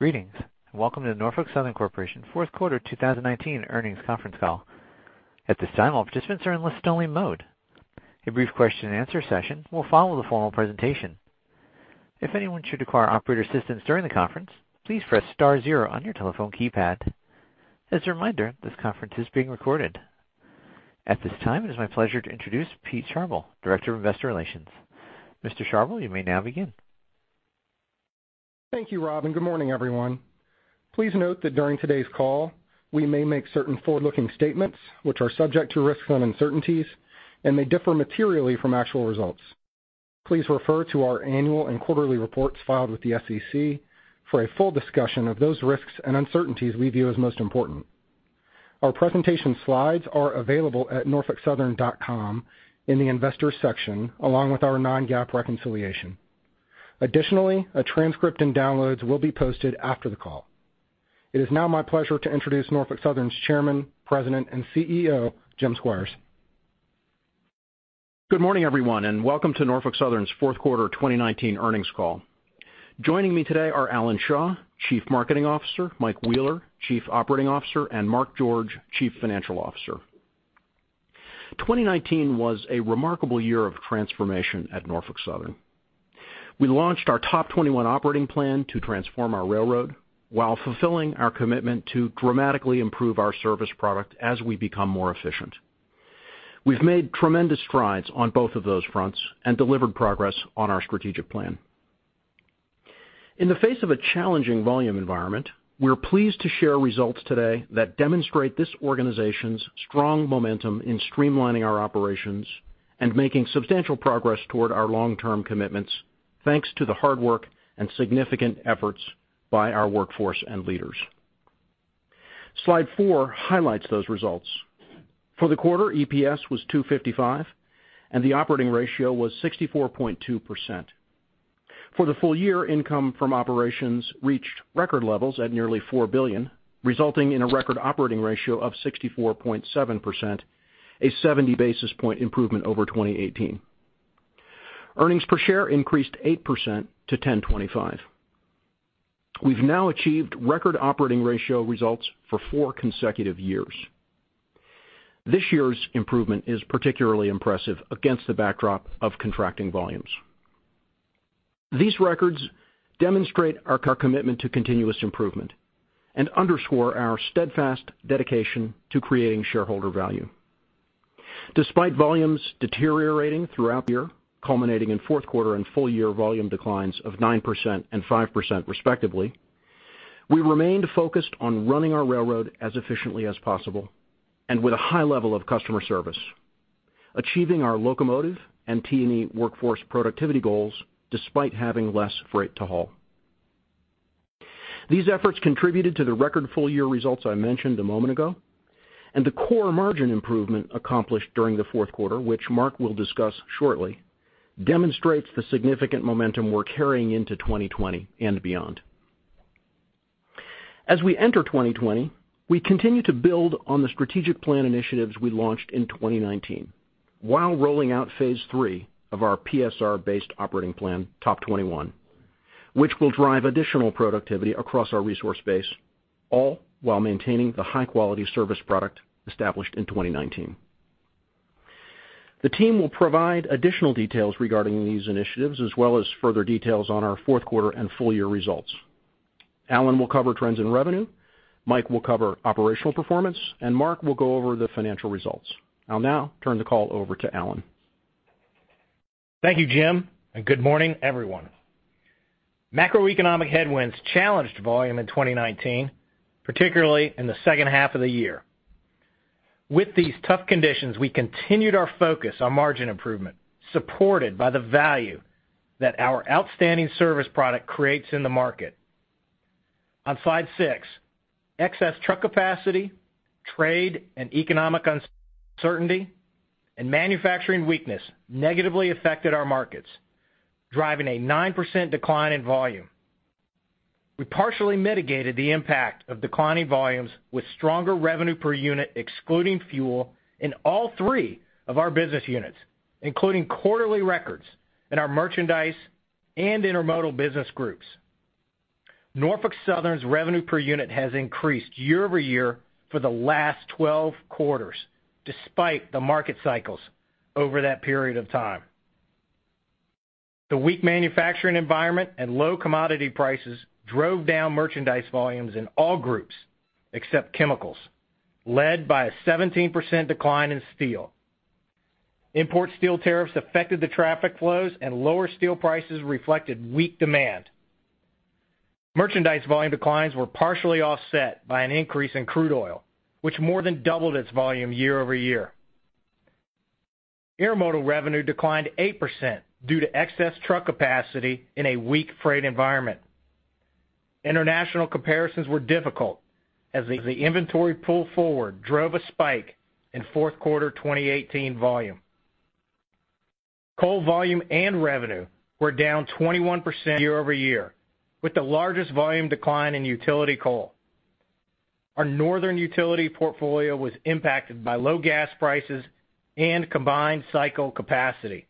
Greetings, and welcome to the Norfolk Southern Corporation Q4 2019 earnings conference call. At this time, all participants are in listen-only mode. A brief question and answer session will follow the formal presentation. If anyone should require operator assistance during the conference, please press star zero on your telephone keypad. As a reminder, this conference is being recorded. At this time, it is my pleasure to introduce Peter Sharbel, Director of Investor Relations. Mr. Sharbel, you may now begin. Thank you, Rob, and good morning, everyone. Please note that during today's call, we may make certain forward-looking statements which are subject to risks and uncertainties and may differ materially from actual results. Please refer to our annual and quarterly reports filed with the SEC for a full discussion of those risks and uncertainties we view as most important. Our presentation slides are available at norfolksouthern.com in the Investors section, along with our non-GAAP reconciliation. Additionally, a transcript and downloads will be posted after the call. It is now my pleasure to introduce Norfolk Southern's Chairman, President, and CEO, Jim Squires. Good morning, everyone, and welcome to Norfolk Southern's Q4 2019 earnings call. Joining me today are Alan Shaw, Chief Marketing Officer, Mike Wheeler, Chief Operating Officer, and Mark George, Chief Financial Officer. 2019 was a remarkable year of transformation at Norfolk Southern. We launched our TOP21 operating plan to transform our railroad while fulfilling our commitment to dramatically improve our service product as we become more efficient. We've made tremendous strides on both of those fronts and delivered progress on our strategic plan. In the face of a challenging volume environment, we're pleased to share results today that demonstrate this organization's strong momentum in streamlining our operations and making substantial progress toward our long-term commitments, thanks to the hard work and significant efforts by our workforce and leaders. Slide four highlights those results. For the quarter, EPS was $2.55, and the operating ratio was 64.2%. For the full year, income from operations reached record levels at nearly $4 billion, resulting in a record operating ratio of 64.7%, a 70-basis-point improvement over 2018. Earnings per share increased eight percent to $10.25. We've now achieved record operating ratio results for four consecutive years. This year's improvement is particularly impressive against the backdrop of contracting volumes. These records demonstrate our commitment to continuous improvement and underscore our steadfast dedication to creating shareholder value. Despite volumes deteriorating throughout the year, culminating inQ4 and full-year volume declines of nine percent and five percent respectively, we remained focused on running our railroad as efficiently as possible and with a high level of customer service, achieving our locomotive and T&E workforce productivity goals despite having less freight to haul. These efforts contributed to the record full-year results I mentioned a moment ago, and the core margin improvement accomplished during the Q4, which Mark will discuss shortly, demonstrates the significant momentum we're carrying into 2020 and beyond. As we enter 2020, we continue to build on the strategic plan initiatives we launched in 2019 while rolling out phase III of our PSR-based operating plan, TOP21, which will drive additional productivity across our resource base, all while maintaining the high-quality service product established in 2019. The team will provide additional details regarding these initiatives as well as further details on our Q4 and full-year results. Alan will cover trends in revenue, Mike will cover operational performance, and Mark will go over the financial results. I'll now turn the call over to Alan. Thank you, Jim, and good morning, everyone. Macroeconomic headwinds challenged volume in 2019, particularly in the second half of the year. With these tough conditions, we continued our focus on margin improvement, supported by the value that our outstanding service product creates in the market. On slide six, excess truck capacity, trade and economic uncertainty, and manufacturing weakness negatively affected our markets, driving a nine percent decline in volume. We partially mitigated the impact of declining volumes with stronger revenue per unit, excluding fuel, in all three of our business units, including quarterly records in our merchandise and intermodal business groups. Norfolk Southern's revenue per unit has increased year-over-year for the last 12 quarters, despite the market cycles over that period of time. The weak manufacturing environment and low commodity prices drove down merchandise volumes in all groups except chemicals, led by a 17% decline in steel. Import steel tariffs affected the traffic flows and lower steel prices reflected weak demand. Merchandise volume declines were partially offset by an increase in crude oil, which more than doubled its volume year-over-year. Intermodal revenue declined eight percent due to excess truck capacity in a weak freight environment. International comparisons were difficult as the inventory pull forward drove a spike in Q4 2018 volume. Coal volume and revenue were down 21% year-over-year, with the largest volume decline in utility coal. Our northern utility portfolio was impacted by low gas prices and combined cycle capacity.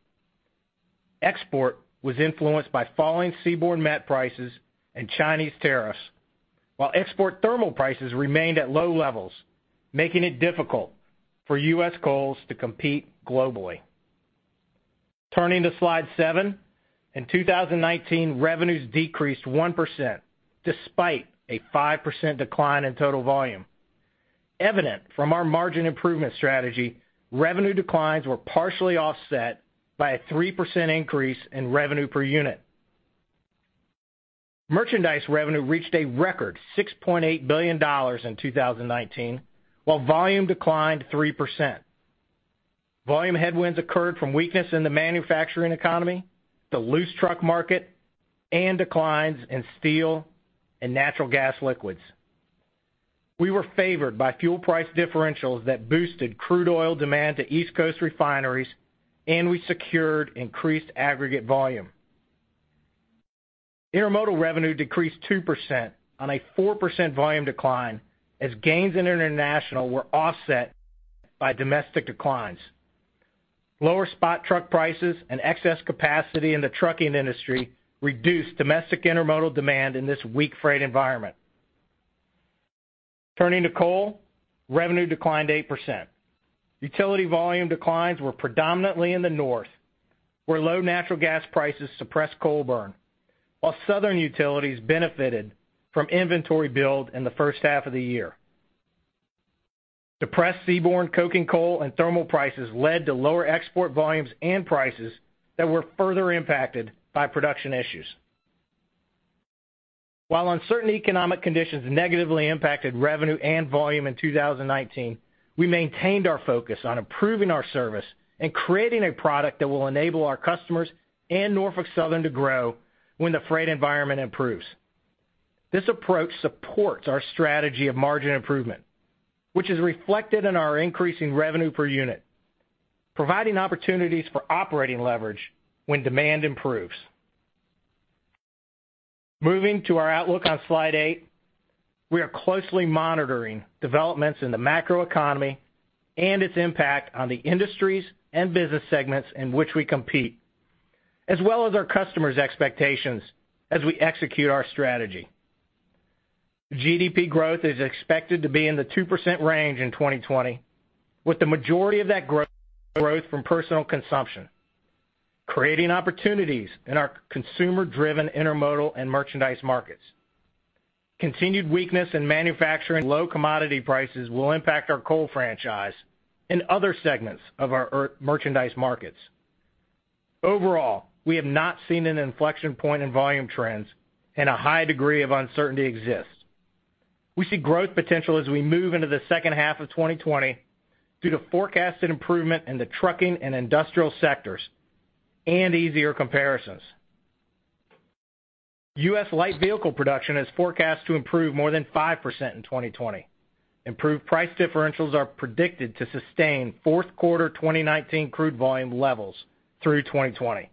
Export was influenced by falling seaborne met prices and Chinese tariffs, while export thermal prices remained at low levels, making it difficult for U.S. coals to compete globally. Turning to slide seven. In 2019, revenues decreased one percent despite a five percent decline in total volume. Evident from our margin improvement strategy, revenue declines were partially offset by a three percent increase in revenue per unit. Merchandise revenue reached a record $6.8 billion in 2019, while volume declined three percent. Volume headwinds occurred from weakness in the manufacturing economy, the loose truck market, and declines in steel and natural gas liquids. We were favored by fuel price differentials that boosted crude oil demand to East Coast refineries, and we secured increased aggregate volume. Intermodal revenue decreased two percent on a four percent volume decline, as gains in international were offset by domestic declines. Lower spot truck prices and excess capacity in the trucking industry reduced domestic intermodal demand in this weak freight environment. Turning to coal, revenue declined eight percent. Utility volume declines were predominantly in the north, where low natural gas prices suppressed coal burn, while southern utilities benefited from inventory build in the first half of the year. Depressed seaborne coking coal and thermal prices led to lower export volumes and prices that were further impacted by production issues. While uncertain economic conditions negatively impacted revenue and volume in 2019, we maintained our focus on improving our service and creating a product that will enable our customers and Norfolk Southern to grow when the freight environment improves. This approach supports our strategy of margin improvement, which is reflected in our increasing revenue per unit, providing opportunities for operating leverage when demand improves. Moving to our outlook on slide eight. We are closely monitoring developments in the macroeconomy and its impact on the industries and business segments in which we compete, as well as our customers' expectations as we execute our strategy. GDP growth is expected to be in the two percent range in 2020, with the majority of that growth from personal consumption, creating opportunities in our consumer-driven intermodal and merchandise markets. Continued weakness in manufacturing low commodity prices will impact our coal franchise and other segments of our merchandise markets. Overall, we have not seen an inflection point in volume trends and a high degree of uncertainty exists. We see growth potential as we move into the second half of 2020 due to forecasted improvement in the trucking and industrial sectors and easier comparisons. U.S. light vehicle production is forecast to improve more than five percent in 2020. Improved price differentials are predicted to sustain Q4 2019 crude volume levels through 2020.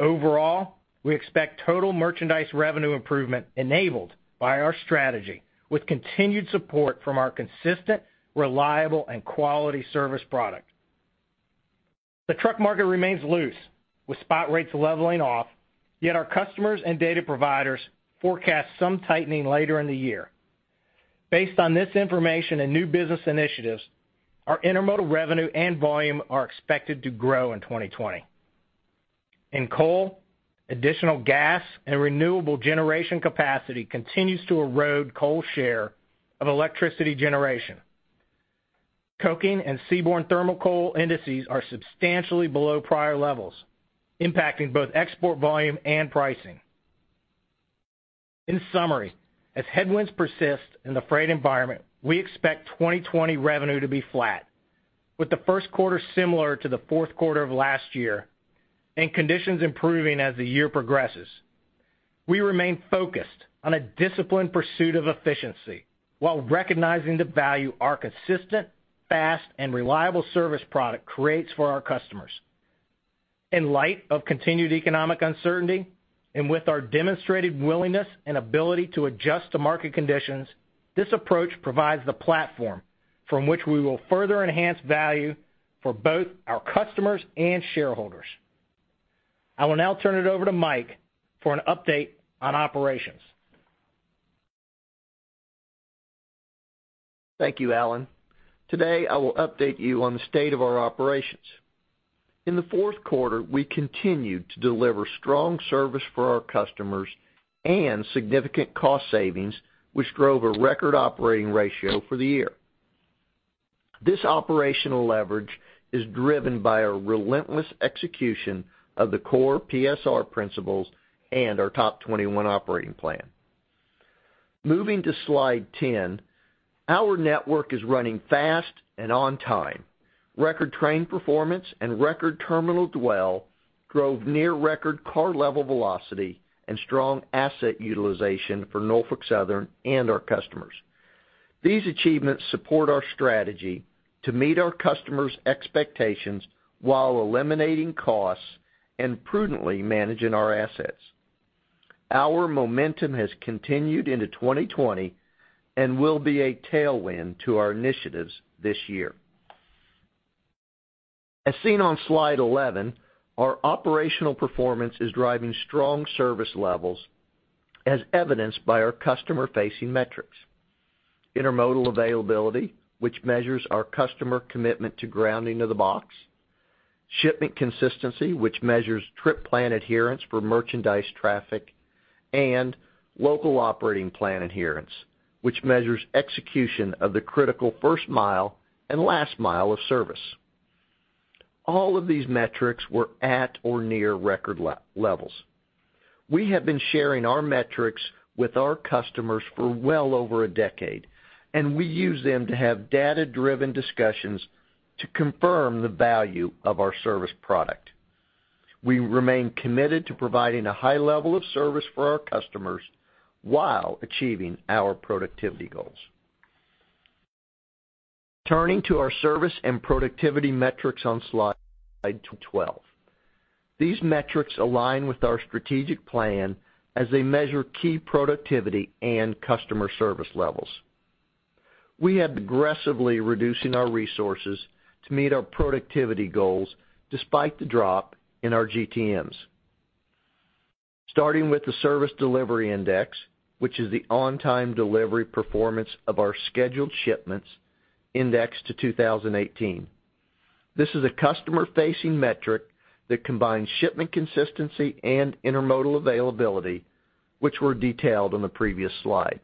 Overall, we expect total merchandise revenue improvement enabled by our strategy with continued support from our consistent, reliable, and quality service product. The truck market remains loose with spot rates leveling off, yet our customers and data providers forecast some tightening later in the year. Based on this information and new business initiatives, our intermodal revenue and volume are expected to grow in 2020. In coal, additional gas and renewable generation capacity continues to erode coal share of electricity generation. Coking and seaborne thermal coal indices are substantially below prior levels, impacting both export volume and pricing. In summary, as headwinds persist in the freight environment, we expect 2020 revenue to be flat with theQ1 similar to the Q4 of last year and conditions improving as the year progresses. We remain focused on a disciplined pursuit of efficiency while recognizing the value our consistent, fast, and reliable service product creates for our customers. In light of continued economic uncertainty and with our demonstrated willingness and ability to adjust to market conditions, this approach provides the platform from which we will further enhance value for both our customers and shareholders. I will now turn it over to Mike for an update on operations. Thank you, Alan. Today, I will update you on the state of our operations. In the Q4, we continued to deliver strong service for our customers and significant cost savings, which drove a record operating ratio for the year. This operational leverage is driven by a relentless execution of the core PSR principles and our TOP21 operating plan. Moving to slide 10. Our network is running fast and on time. Record train performance and record terminal dwell drove near record car level velocity and strong asset utilization for Norfolk Southern and our customers. These achievements support our strategy to meet our customers' expectations while eliminating costs and prudently managing our assets. Our momentum has continued into 2020 and will be a tailwind to our initiatives this year. As seen on slide 11, our operational performance is driving strong service levels as evidenced by our customer-facing metrics. Intermodal availability, which measures our customer commitment to grounding of the box, shipment consistency, which measures trip plan adherence for merchandise traffic, and local operating plan adherence, which measures execution of the critical first mile and last mile of service. All of these metrics were at or near record levels. We have been sharing our metrics with our customers for well over a decade, and we use them to have data-driven discussions to confirm the value of our service product. We remain committed to providing a high level of service for our customers while achieving our productivity goals. Turning to our service and productivity metrics on slide 12. These metrics align with our strategic plan as they measure key productivity and customer service levels. We have been aggressively reducing our resources to meet our productivity goals, despite the drop in our GTMs. Starting with the Service Delivery Index, which is the on-time delivery performance of our scheduled shipments indexed to 2018. This is a customer-facing metric that combines shipment consistency and intermodal availability, which were detailed on the previous slide.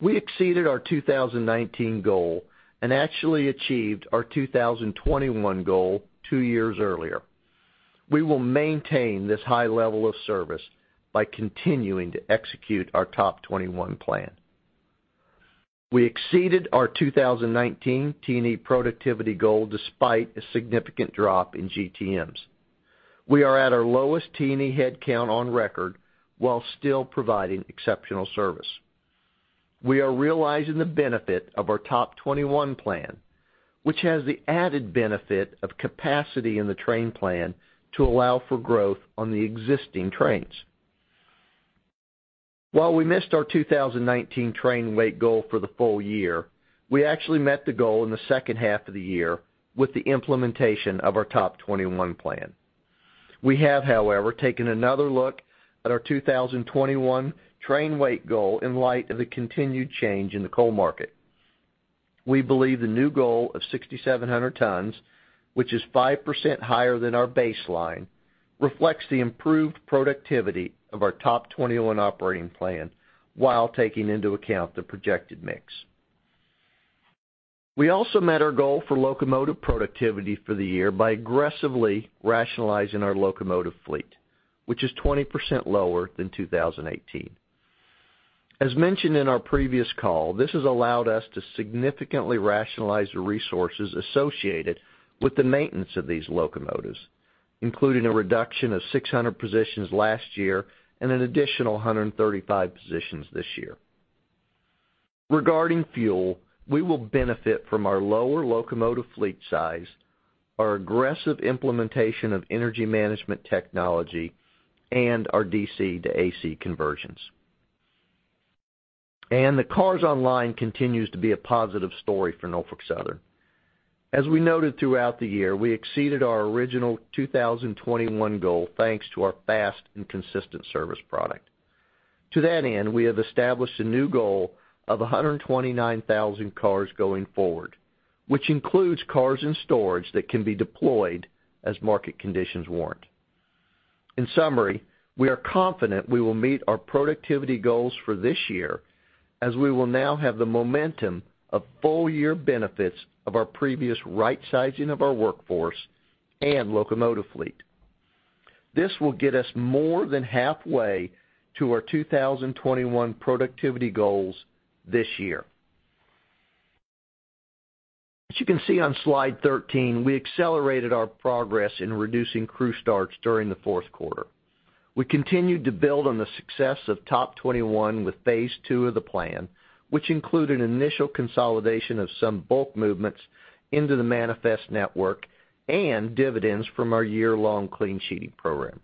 We exceeded our 2019 goal and actually achieved our 2021 goal two years earlier. We will maintain this high level of service by continuing to execute our TOP21 plan. We exceeded our 2019 T&E productivity goal despite a significant drop in GTMs. We are at our lowest T&E headcount on record while still providing exceptional service. We are realizing the benefit of our TOP21 plan, which has the added benefit of capacity in the train plan to allow for growth on the existing trains. While we missed our 2019 train weight goal for the full year, we actually met the goal in the second half of the year with the implementation of our TOP21 plan. We have, however, taken another look at our 2021 train weight goal in light of the continued change in the coal market. We believe the new goal of 6,700 tons, which is five percent higher than our baseline, reflects the improved productivity of our TOP21 operating plan while taking into account the projected mix. We also met our goal for locomotive productivity for the year by aggressively rationalizing our locomotive fleet, which is 20% lower than 2018. As mentioned in our previous call, this has allowed us to significantly rationalize the resources associated with the maintenance of these locomotives, including a reduction of 600 positions last year and an additional 135 positions this year. Regarding fuel, we will benefit from our lower locomotive fleet size, our aggressive implementation of energy management technology, and our DC-to-AC conversions. The cars online continues to be a positive story for Norfolk Southern. As we noted throughout the year, we exceeded our original 2021 goal thanks to our fast and consistent service product. To that end, we have established a new goal of 129,000 cars going forward, which includes cars in storage that can be deployed as market conditions warrant. In summary, we are confident we will meet our productivity goals for this year, as we will now have the momentum of full-year benefits of our previous right-sizing of our workforce and locomotive fleet. This will get us more than halfway to our 2021 productivity goals this year. As you can see on slide 13, we accelerated our progress in reducing crew starts during the Q4. We continued to build on the success of TOP21 with phase two of the plan, which included initial consolidation of some bulk movements into the manifest network and dividends from our year-long clean sheeting program.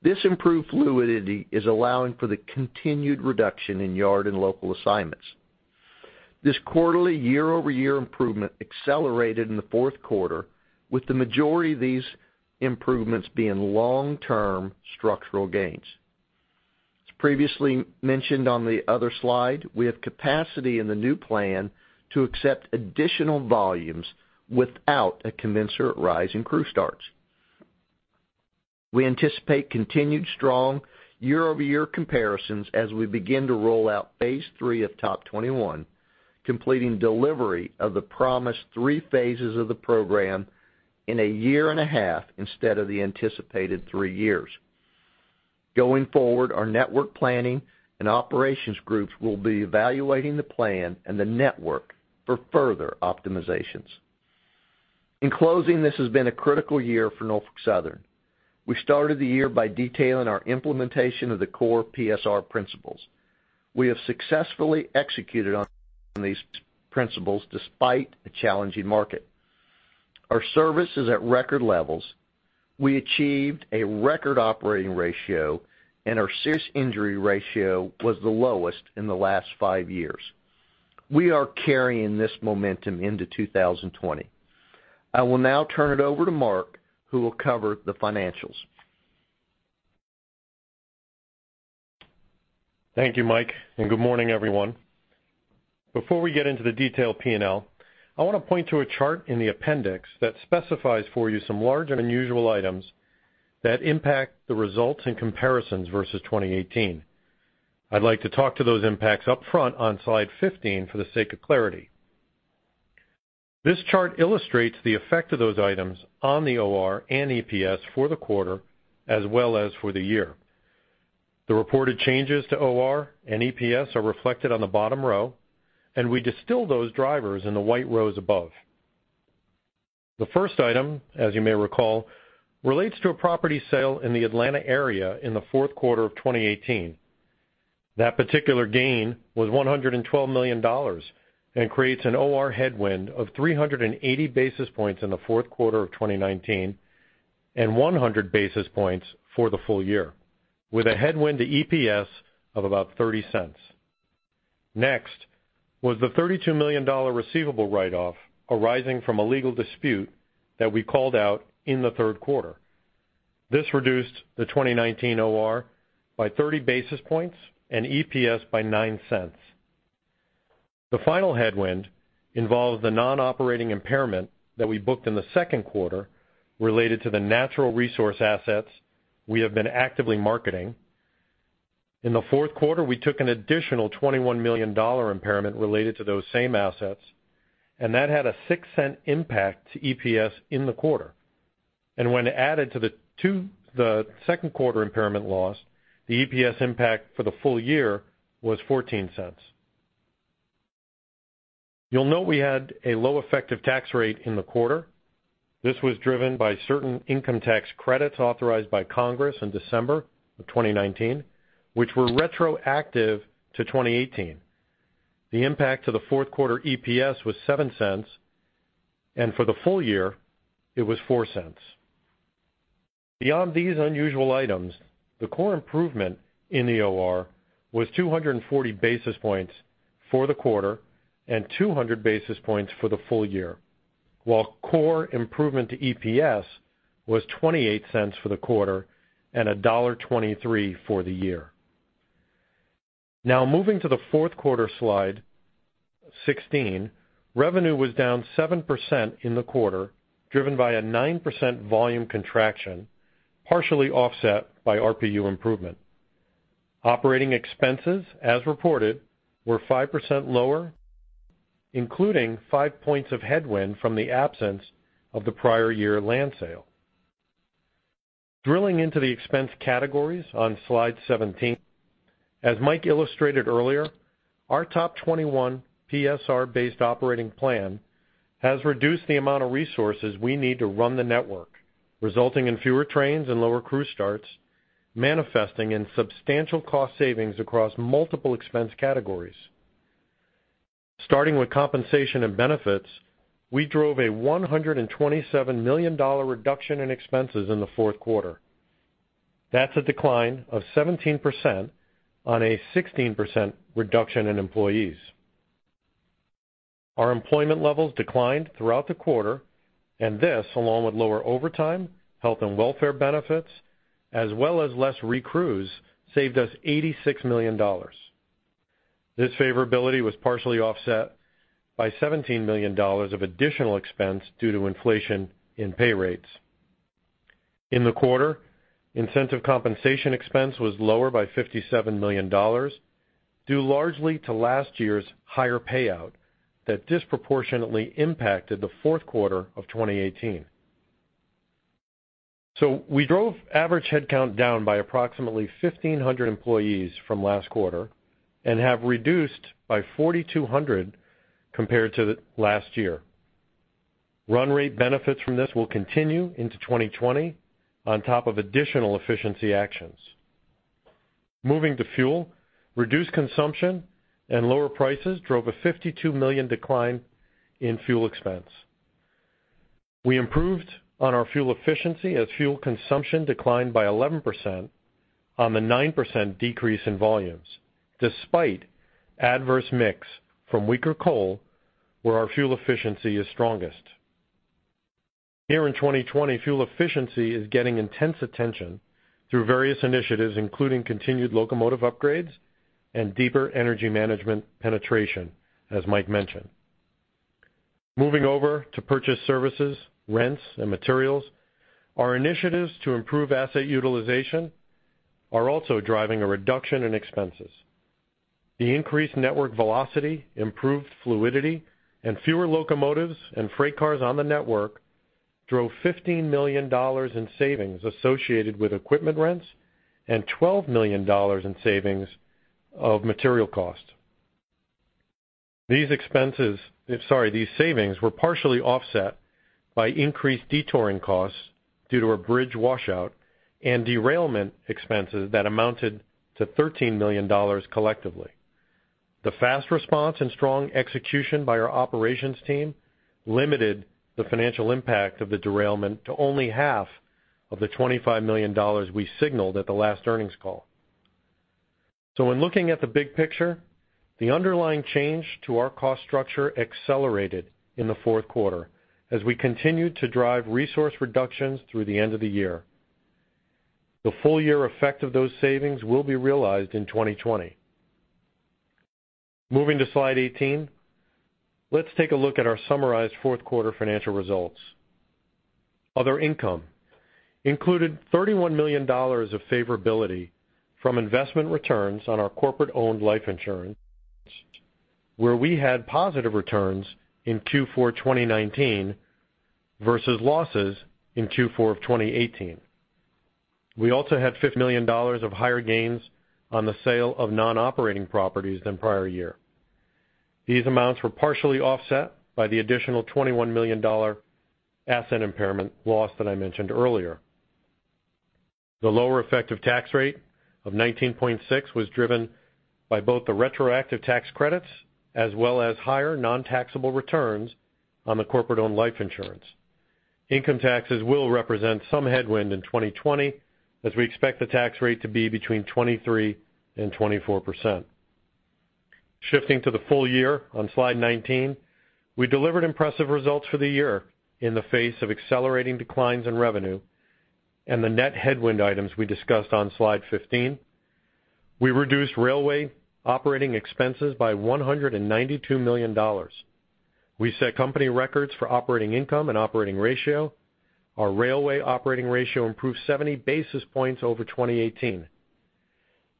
This improved fluidity is allowing for the continued reduction in yard and local assignments. This quarterly year-over-year improvement accelerated in the Q4, with the majority of these improvements being long-term structural gains. As previously mentioned on the other slide, we have capacity in the new plan to accept additional volumes without a commensurate rise in crew starts. We anticipate continued strong year-over-year comparisons as we begin to roll out phase III of TOP21, completing delivery of the promised three phases of the program in a year and a half instead of the anticipated three years. Going forward, our network planning and operations groups will be evaluating the plan and the network for further optimizations. In closing, this has been a critical year for Norfolk Southern. We started the year by detailing our implementation of the core PSR principles. We have successfully executed on these principles despite a challenging market. Our service is at record levels. We achieved a record operating ratio, and our serious injury ratio was the lowest in the last five years. We are carrying this momentum into 2020. I will now turn it over to Mark, who will cover the financials. Thank you, Mike, and good morning, everyone. Before we get into the detailed P&L, I want to point to a chart in the appendix that specifies for you some large and unusual items that impact the results and comparisons versus 2018. I'd like to talk to those impacts up front on slide 15 for the sake of clarity. This chart illustrates the effect of those items on the OR and EPS for the quarter as well as for the year. The reported changes to OR and EPS are reflected on the bottom row, and we distill those drivers in the white rows above. The first item, as you may recall, relates to a property sale in the Atlanta area in the Q4 of 2018. That particular gain was $112 million and creates an OR headwind of 380 basis points in the Q4 of 2019 and 100 basis points for the full year, with a headwind to EPS of about $0.30. Next was the $32 million receivable write-off arising from a legal dispute that we called out in the Q3. This reduced the 2019 OR by 30 basis points and EPS by $0.09. The final headwind involves the non-operating impairment that we booked in the Q2 related to the natural resource assets we have been actively marketing. In theQ3, we took an additional $21 million impairment related to those same assets, and that had a $0.06 impact to EPS in the quarter. When added to the Q2 impairment loss, the EPS impact for the full year was $0.14. You'll note we had a low effective tax rate in the quarter. This was driven by certain income tax credits authorized by Congress in December of 2019, which were retroactive to 2018. The impact to the Q4 EPS was $0.07, and for the full year, it was $0.04. Beyond these unusual items, the core improvement in the OR was 240 basis points for the quarter and 200 basis points for the full year, while core improvement to EPS was $0.28 for the quarter and $1.23 for the year. Now moving to the Q4 slide 16, revenue was down seven percent in the quarter, driven by a nine percent volume contraction, partially offset by RPU improvement. Operating expenses, as reported, were five percent lower, including five points of headwind from the absence of the prior year land sale. Drilling into the expense categories on slide 17. As Mike illustrated earlier, our TOP21 PSR-based operating plan has reduced the amount of resources we need to run the network, resulting in fewer trains and lower crew starts, manifesting in substantial cost savings across multiple expense categories. Starting with compensation and benefits, we drove a $127 million reduction in expenses in the Q4. That's a decline of 17% on a 16% reduction in employees. Our employment levels declined throughout the quarter, this, along with lower overtime, health and welfare benefits, as well as less recrews, saved us $86 million. This favorability was partially offset by $17 million of additional expense due to inflation in pay rates. In the quarter, incentive compensation expense was lower by $57 million, due largely to last year's higher payout that disproportionately impacted the Q4 of 2018. We drove average headcount down by approximately 1,500 employees from last quarter and have reduced by 4,200 compared to last year. Run rate benefits from this will continue into 2020 on top of additional efficiency actions. Moving to fuel. Reduced consumption and lower prices drove a $52 million decline in fuel expense. We improved on our fuel efficiency as fuel consumption declined by 11% on the nine percent decrease in volumes, despite adverse mix from weaker coal, where our fuel efficiency is strongest. Here in 2020, fuel efficiency is getting intense attention through various initiatives, including continued locomotive upgrades and deeper energy management penetration, as Mike mentioned. Moving over to purchased services, rents, and materials. Our initiatives to improve asset utilization are also driving a reduction in expenses. The increased network velocity, improved fluidity, and fewer locomotives and freight cars on the network drove $15 million in savings associated with equipment rents and $12 million in savings of material cost. These savings were partially offset by increased detouring costs due to a bridge washout and derailment expenses that amounted to $13 million collectively. The fast response and strong execution by our operations team limited the financial impact of the derailment to only half of the $25 million we signaled at the last earnings call. When looking at the big picture, the underlying change to our cost structure accelerated in the Q4 as we continued to drive resource reductions through the end of the year. The full-year effect of those savings will be realized in 2020. Moving to slide 18, let's take a look at our summarized Q4 financial results. Other income included $31 million of favorability from investment returns on our corporate-owned life insurance, where we had positive returns in Q4 2019 versus losses in Q4 of 2018. We also had $50 million of higher gains on the sale of non-operating properties than prior year. These amounts were partially offset by the additional $21 million asset impairment loss that I mentioned earlier. The lower effective tax rate of 19.6% was driven by both the retroactive tax credits as well as higher non-taxable returns on the corporate-owned life insurance. Income taxes will represent some headwind in 2020 as we expect the tax rate to be between 23% and 24%. Shifting to the full year on slide 19, we delivered impressive results for the year in the face of accelerating declines in revenue and the net headwind items we discussed on slide 15. We reduced railway operating expenses by $192 million. We set company records for operating income and operating ratio. Our railway operating ratio improved 70 basis points over 2018.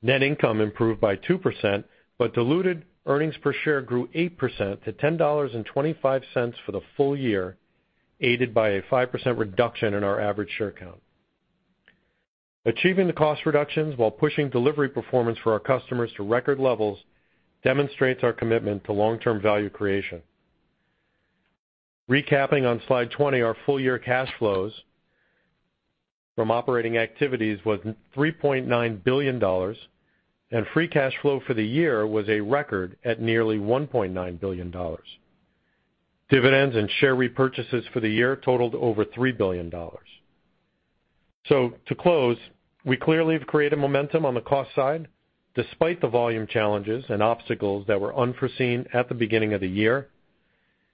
Net income improved by two percent, diluted earnings per share grew eight percent to $10.25 for the full year, aided by a five percent reduction in our average share count. Achieving the cost reductions while pushing delivery performance for our customers to record levels demonstrates our commitment to long-term value creation. Recapping on slide 20, our full-year cash flows from operating activities was $3.9 billion, and free cash flow for the year was a record at nearly $1.9 billion. Dividends and share repurchases for the year totaled over $3 billion. To close, we clearly have created momentum on the cost side, despite the volume challenges and obstacles that were unforeseen at the beginning of the year.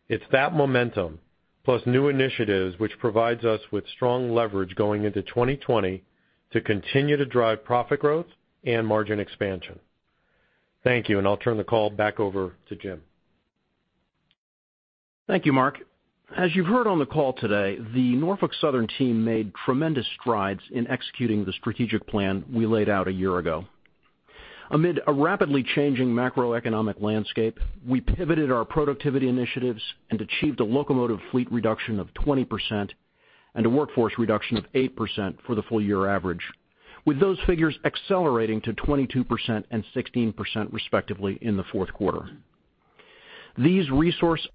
It's that momentum, plus new initiatives, which provides us with strong leverage going into 2020 to continue to drive profit growth and margin expansion. Thank you. I'll turn the call back over to Jim. Thank you, Mark. As you've heard on the call today, the Norfolk Southern team made tremendous strides in executing the strategic plan we laid out a year ago. Amid a rapidly changing macroeconomic landscape, we pivoted our productivity initiatives and achieved a locomotive fleet reduction of 20% and a workforce reduction of eight percent for the full-year average, with those figures accelerating to 22% and 16%, respectively, in the Q4. These resource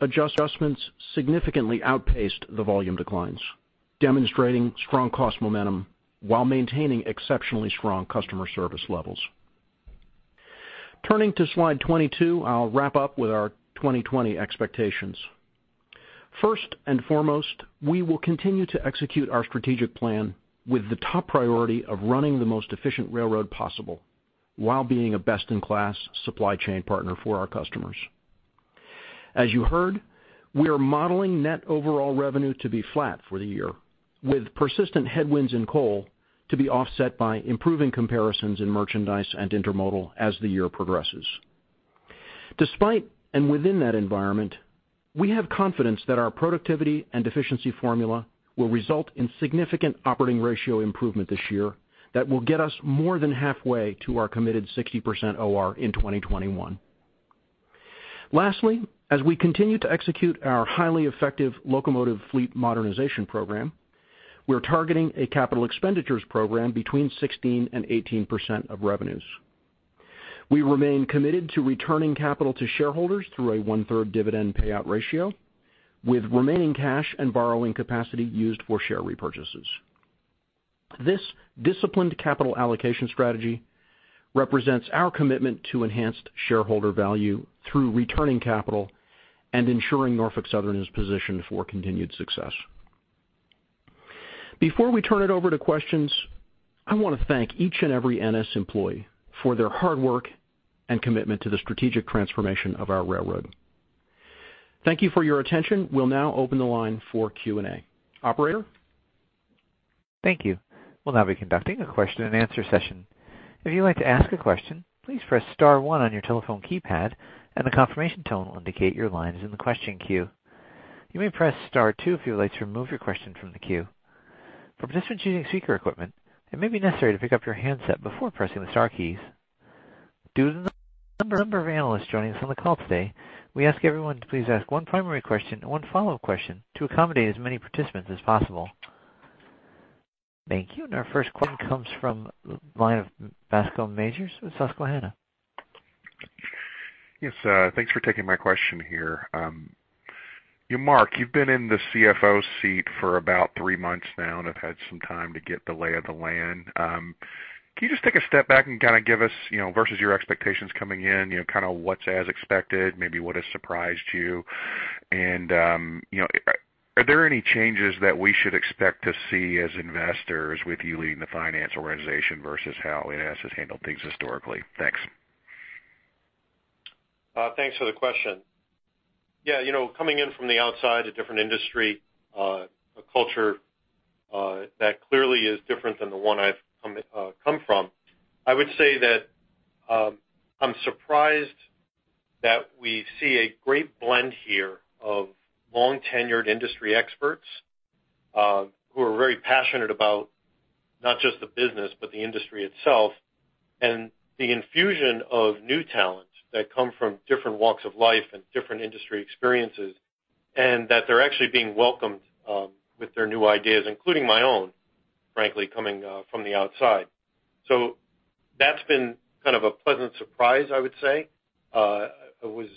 adjustments significantly outpaced the volume declines, demonstrating strong cost momentum while maintaining exceptionally strong customer service levels. Turning to slide 22, I'll wrap up with our 2020 expectations. First and foremost, we will continue to execute our strategic plan with the top priority of running the most efficient railroad possible while being a best-in-class supply chain partner for our customers. As you heard, we are modeling net overall revenue to be flat for the year, with persistent headwinds in coal to be offset by improving comparisons in merchandise and intermodal as the year progresses. Within that environment, we have confidence that our productivity and efficiency formula will result in significant operating ratio improvement this year that will get us more than halfway to our committed 60% OR in 2021. Lastly, as we continue to execute our highly effective locomotive fleet modernization program, we're targeting a capital expenditures program between 16% and 18% of revenues. We remain committed to returning capital to shareholders through a one-third dividend payout ratio, with remaining cash and borrowing capacity used for share repurchases. This disciplined capital allocation strategy represents our commitment to enhanced shareholder value through returning capital and ensuring Norfolk Southern is positioned for continued success. Before we turn it over to questions, I want to thank each and every NS employee for their hard work and commitment to the strategic transformation of our railroad. Thank you for your attention. We'll now open the line for Q&A. Operator? Thank you. We'll now be conducting a question-and-answer session. If you'd like to ask a question, please press *one on your telephone keypad, and a confirmation tone will indicate your line is in the question queue. You may press *two if you would like to remove your question from the queue. For participants using speaker equipment, it may be necessary to pick up your handset before pressing the star keys. Due to the number of analysts joining us on the call today, we ask everyone to please ask one primary question and one follow-up question to accommodate as many participants as possible. Thank you. Our first question comes from the line of Bascome Majors with Susquehanna. Yes. Thanks for taking my question here. Mark, you've been in the CFO seat for about three months now and have had some time to get the lay of the land. Can you just take a step back and give us, versus your expectations coming in, what's as expected, maybe what has surprised you? Are there any changes that we should expect to see as investors with you leading the finance organization versus how NS has handled things historically? Thanks. Thanks for the question. Yeah. Coming in from the outside, a different industry, a culture that clearly is different than the one I've come from, I would say that I'm surprised that we see a great blend here of long-tenured industry experts who are very passionate about not just the business, but the industry itself, and the infusion of new talent that come from different walks of life and different industry experiences, and that they're actually being welcomed with their new ideas, including my own, frankly, coming from the outside. That's been kind of a pleasant surprise, I would say. I was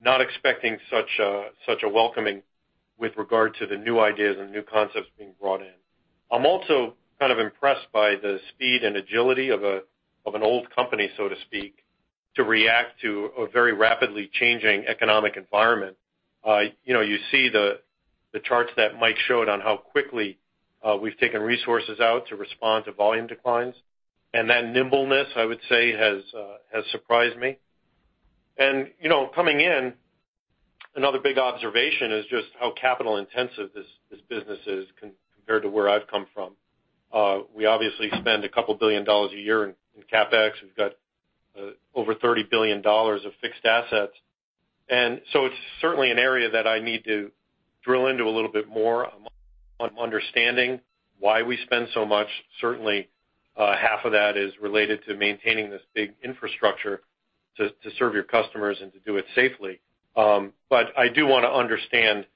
not expecting such a welcoming with regard to the new ideas and new concepts being brought in. I'm also kind of impressed by the speed and agility of an old company, so to speak, to react to a very rapidly changing economic environment. You see the charts that Mike showed on how quickly we've taken resources out to respond to volume declines. That nimbleness, I would say, has surprised me. Coming in, another big observation is just how capital intensive this business is compared to where I've come from. We obviously spend a couple billion dollars a year in CapEx. We've got over $30 billion of fixed assets. It's certainly an area that I need to drill into a little bit more on understanding why we spend so much. Certainly, half of that is related to maintaining this big infrastructure to serve your customers and to do it safely. I do want to understand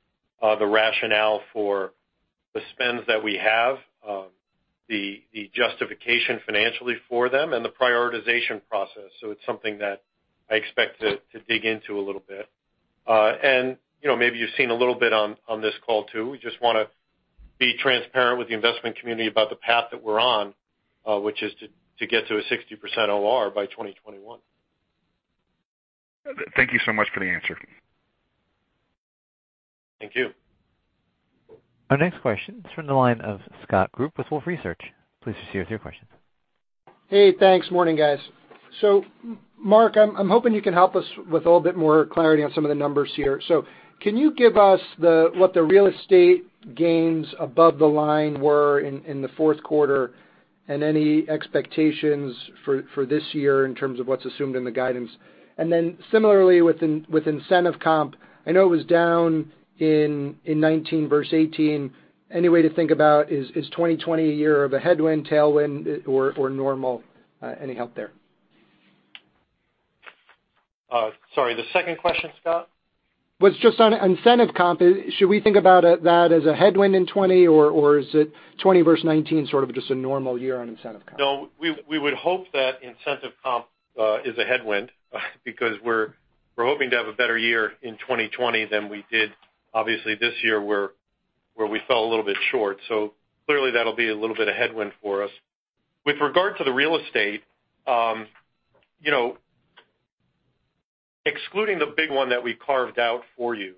the rationale for the spends that we have, the justification financially for them, and the prioritization process. It's something that I expect to dig into a little bit. Maybe you've seen a little bit on this call, too. We just want to be transparent with the investment community about the path that we're on, which is to get to a 60% OR by 2021. Thank you so much for the answer. Thank you. Our next question is from the line of Scott Group with Wolfe Research. Please proceed with your question. Hey, thanks. Morning, guys. Mark, I'm hoping you can help us with a little bit more clarity on some of the numbers here. Can you give us what the real estate gains above the line were in the Q4 and any expectations for this year in terms of what's assumed in the guidance? Similarly, with incentive comp, I know it was down in 2019 versus 2018. Any way to think about, is 2020 a year of a headwind, tailwind, or normal? Any help there? Sorry, the second question, Scott? Was just on incentive comp. Should we think about that as a headwind in 2020, or is it 2020 versus 2019 sort of just a normal year on incentive comp? No, we would hope that incentive comp is a headwind because we're hoping to have a better year in 2020 than we did obviously this year, where we fell a little bit short. Clearly, that'll be a little bit of headwind for us. With regard to the real estate, excluding the big one that we carved out for you,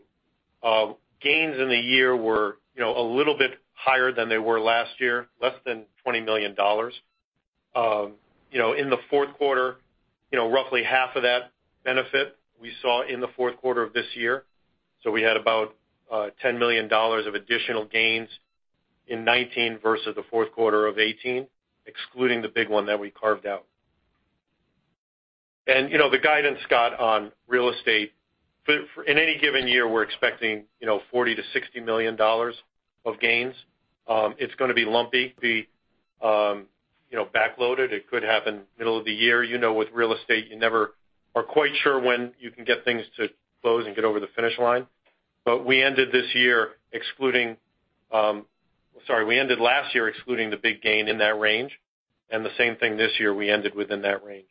gains in the year were a little bit higher than they were last year, less than $20 million. In the Q4, roughly half of that benefit we saw in theQ4 of this year. We had about $10 million of additional gains in 2019 versus the Q4 of 2018, excluding the big one that we carved out. The guidance, Scott, on real estate, in any given year, we're expecting $40 million-$60 million of gains. It's going to be lumpy, be back-loaded. It could happen middle of the year. You know with real estate, you never are quite sure when you can get things to close and get over the finish line. We ended last year excluding the big gain in that range. The same thing this year, we ended within that range.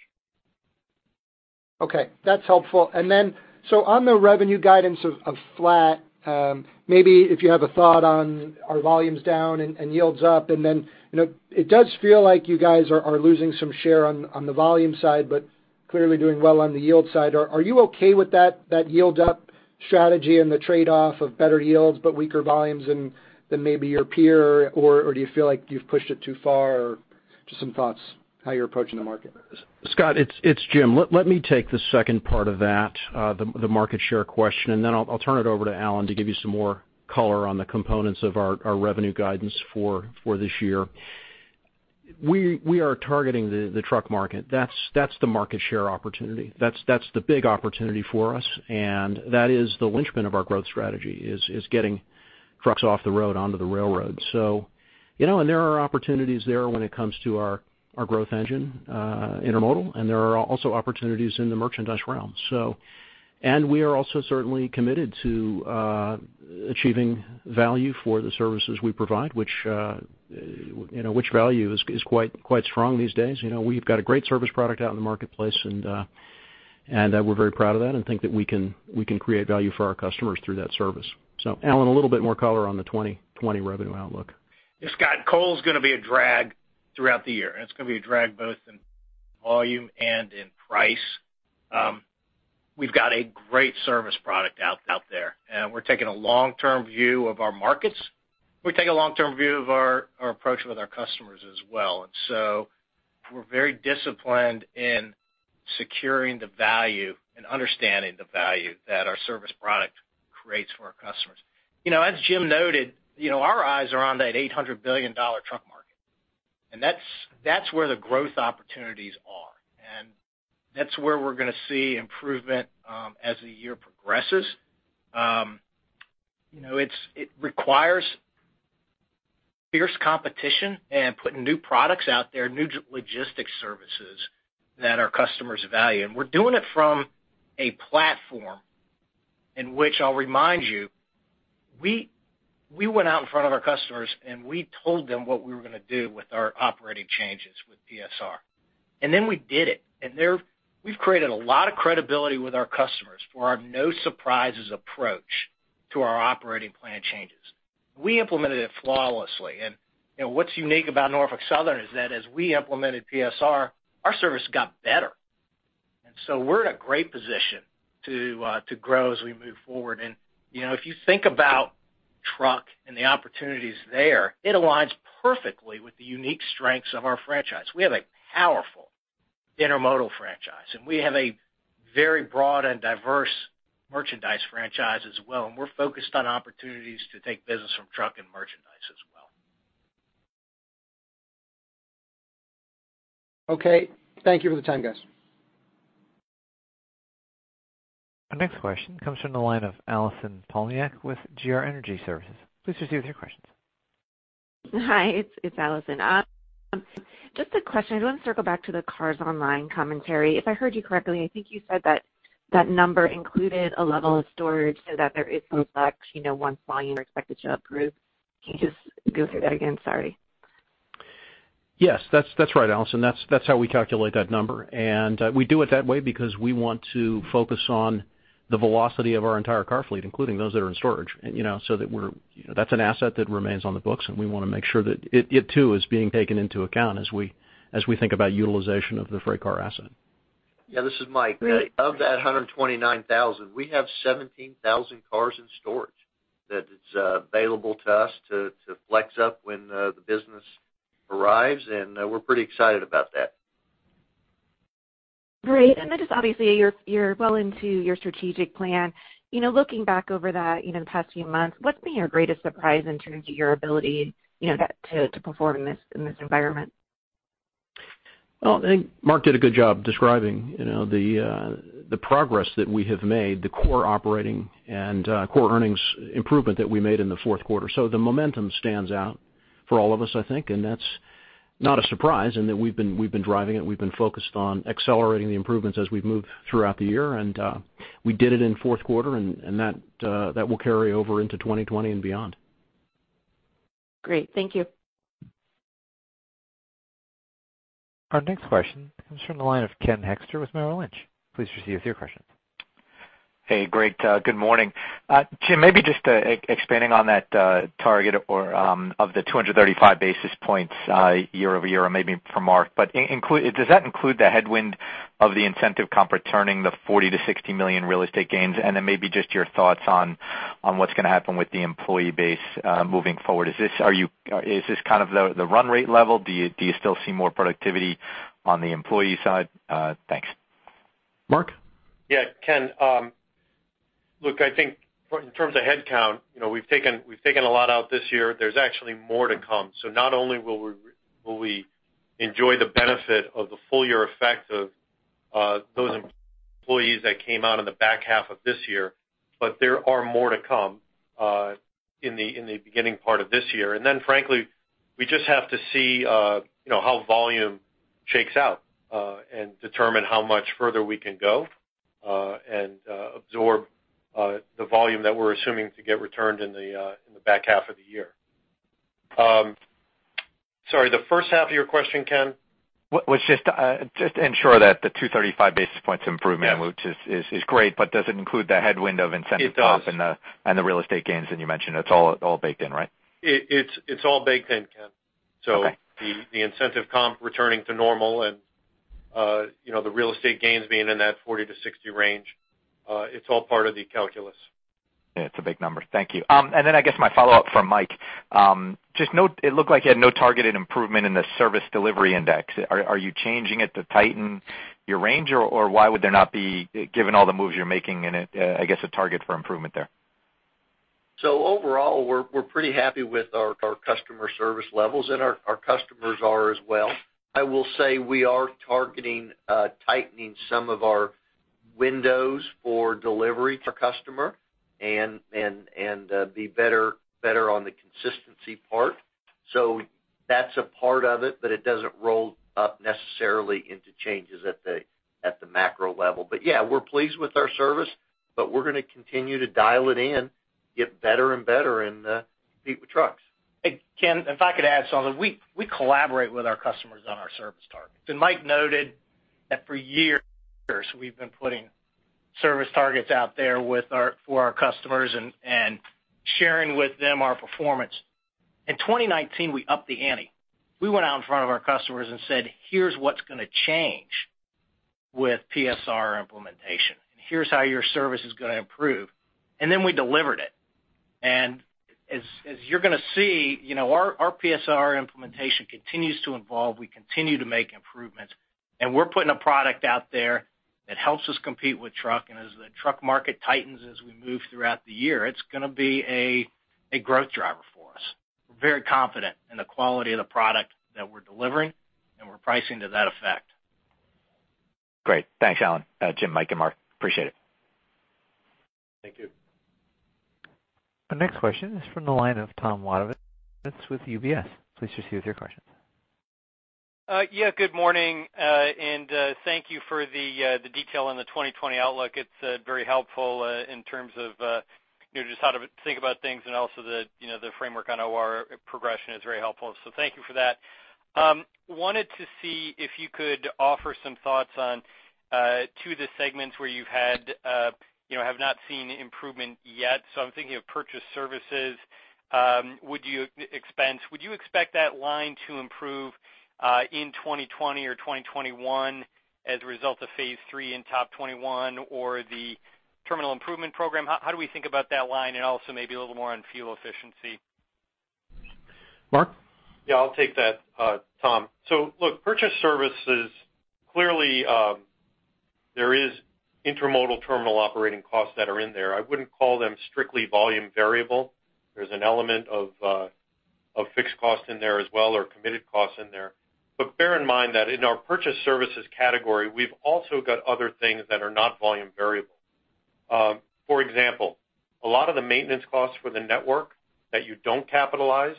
Okay, that's helpful. On the revenue guidance of flat, maybe if you have a thought on, are volumes down and yields up, and then it does feel like you guys are losing some share on the volume side, but clearly doing well on the yield side. Are you okay with that yield-up strategy and the trade-off of better yields but weaker volumes than maybe your peer, or do you feel like you've pushed it too far? Just some thoughts, how you're approaching the market. Scott, it's Jim. Let me take the second part of that, the market share question, and then I'll turn it over to Alan to give you some more color on the components of our revenue guidance for this year. We are targeting the truck market. That's the market share opportunity. That's the big opportunity for us, and that is the linchpin of our growth strategy, is getting trucks off the road onto the railroad. There are opportunities there when it comes to our growth engine, intermodal, and there are also opportunities in the merchandise realm. We are also certainly committed to achieving value for the services we provide, which value is quite strong these days. We've got a great service product out in the marketplace and we're very proud of that and think that we can create value for our customers through that service. Alan, a little bit more color on the 2020 revenue outlook. Yeah, Scott, coal's going to be a drag throughout the year, and it's going to be a drag both in volume and in price. We've got a great service product out there. We're taking a long-term view of our markets. We take a long-term view of our approach with our customers as well. We're very disciplined in securing the value and understanding the value that our service product creates for our customers. As Jim noted, our eyes are on that $800 billion truck market. That's where the growth opportunities are, and that's where we're going to see improvement as the year progresses. It requires fierce competition and putting new products out there, new logistics services that our customers value. We're doing it from a platform in which I'll remind you, we went out in front of our customers, and we told them what we were going to do with our operating changes with PSR. We did it. We've created a lot of credibility with our customers for our no surprises approach to our operating plan changes. We implemented it flawlessly. What's unique about Norfolk Southern is that as we implemented PSR, our service got better. We're in a great position to grow as we move forward. If you think about truck and the opportunities there, it aligns perfectly with the unique strengths of our franchise. We have a powerful intermodal franchise, and we have a very broad and diverse merchandise franchise as well. We're focused on opportunities to take business from truck and merchandise as well. Okay. Thank you for the time, guys. Our next question comes from the line of Allison Poliniak with Wells Fargo Securities. Please proceed with your questions. Hi, it's Allison. Just a question. I want to circle back to the cars online commentary. If I heard you correctly, I think you said that that number included a level of storage so that there is some flex, once volume are expected to improve. Can you just go through that again? Sorry. Yes, that's right, Allison. That's how we calculate that number. We do it that way because we want to focus on the velocity of our entire car fleet, including those that are in storage. That's an asset that remains on the books, and we want to make sure that it too is being taken into account as we think about utilization of the freight car asset. Yeah, this is Mike. Of that 129,000, we have 17,000 cars in storage that is available to us to flex up when the business arrives, and we're pretty excited about that. Great. Just obviously, you're well into your strategic plan. Looking back over that in the past few months, what's been your greatest surprise in terms of your ability to perform in this environment? I think Mark did a good job describing the progress that we have made, the core operating and core earnings improvement that we made in the Q4. The momentum stands out for all of us, I think, and that's not a surprise in that we've been driving it. We've been focused on accelerating the improvements as we've moved throughout the year. We did it in Q4, and that will carry over into 2020 and beyond. Great. Thank you. Our next question comes from the line of Ken Hoexter with Merrill Lynch. Please proceed with your question. Hey, great. Good morning. Jim, maybe just expanding on that target of the 235 basis points year-over-year or maybe for Mark. Does that include the headwind of the incentive comp returning the $40 million-$60 million real estate gains? Maybe just your thoughts on what's going to happen with the employee base moving forward. Is this kind of the run rate level? Do you still see more productivity on the employee side? Thanks. Mark? Yeah, Ken. Look, I think in terms of headcount, we've taken a lot out this year. There's actually more to come. Not only will we enjoy the benefit of the full year effect of those employees that came out in the back half of this year, but there are more to come in the beginning part of this year. Frankly, we just have to see how volume shakes out and determine how much further we can go and absorb the volume that we're assuming to get returned in the back half of the year. Sorry, the first half of your question, Ken? Was just to ensure that the 235 basis points improvement, which is great, but does it include the headwind of incentive comp? It does. The real estate gains that you mentioned, it's all baked in, right? It's all baked in, Ken. Okay. The incentive comp returning to normal and the real estate gains being in that $40-$60 range, it's all part of the calculus. It's a big number. Thank you. I guess my follow-up for Mike. It looked like you had no targeted improvement in the Service Delivery Index. Are you changing it to tighten your range, or why would there not be, given all the moves you're making in it, I guess a target for improvement there? Overall, we're pretty happy with our customer service levels, and our customers are as well. I will say we are targeting tightening some of our windows for delivery to customer and be better on the consistency part. That's a part of it, but it doesn't roll up necessarily into changes at the macro level. Yeah, we're pleased with our service, but we're going to continue to dial it in. Get better and better and compete with trucks. Hey, Ken, if I could add something. We collaborate with our customers on our service targets. Mike noted that for years, we've been putting service targets out there for our customers and sharing with them our performance. In 2019, we upped the ante. We went out in front of our customers and said, "Here's what's going to change with PSR implementation, and here's how your service is going to improve." We delivered it. As you're going to see, our PSR implementation continues to evolve. We continue to make improvements, and we're putting a product out there that helps us compete with truck. As the truck market tightens, as we move throughout the year, it's going to be a growth driver for us. We're very confident in the quality of the product that we're delivering, and we're pricing to that effect. Great. Thanks, Alan, Jim, Mike and Mark. Appreciate it. Thank you. Our next question is from the line of Tom Wadewitz with UBS. Please proceed with your questions. Yeah, good morning. Thank you for the detail on the 2020 outlook. It's very helpful in terms of just how to think about things and also the framework on OR progression is very helpful. Thank you for that. Wanted to see if you could offer some thoughts on two of the segments where you have not seen improvement yet. I'm thinking of purchase services expense. Would you expect that line to improve in 2020 or 2021 as a result of phase III in TOP21 or the terminal improvement program? How do we think about that line? Also maybe a little more on fuel efficiency. Mark? Yeah, I'll take that, Tom. Look, purchase services, clearly, there is intermodal terminal operating costs that are in there. I wouldn't call them strictly volume variable. There's an element of fixed cost in there as well, or committed costs in there. Bear in mind that in our purchase services category, we've also got other things that are not volume variable. For example, a lot of the maintenance costs for the network that you don't capitalize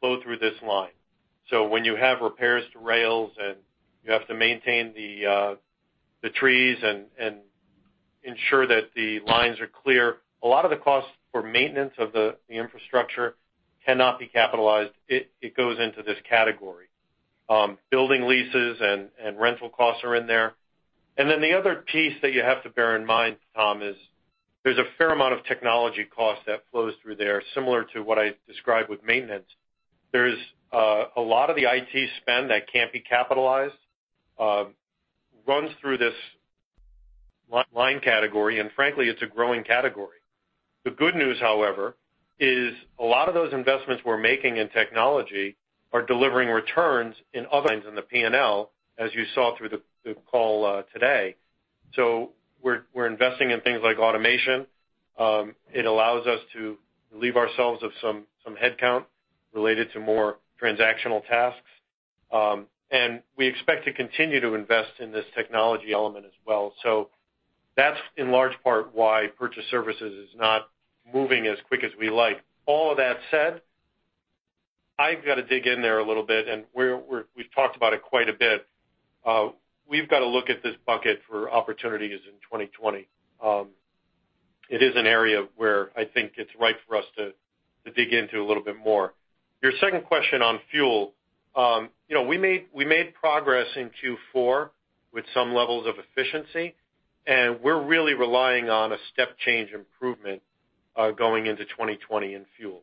flow through this line. When you have repairs to rails and you have to maintain the trees and ensure that the lines are clear, a lot of the costs for maintenance of the infrastructure cannot be capitalized. It goes into this category. Building leases and rental costs are in there. The other piece that you have to bear in mind, Tom, is there's a fair amount of technology cost that flows through there, similar to what I described with maintenance. There is a lot of the IT spend that can't be capitalized, runs through this line category, and frankly, it's a growing category. The good news, however, is a lot of those investments we're making in technology are delivering returns in other lines in the P&L, as you saw through the call today. We're investing in things like automation. It allows us to leave ourselves of some headcount related to more transactional tasks. We expect to continue to invest in this technology element as well. That's in large part why purchase services is not moving as quick as we like. All of that said, I've got to dig in there a little bit. We've talked about it quite a bit. We've got to look at this bucket for opportunities in 2020. It is an area where I think it's right for us to dig into a little bit more. Your second question on fuel. We made progress in Q4 with some levels of efficiency. We're really relying on a step change improvement going into 2020 in fuel.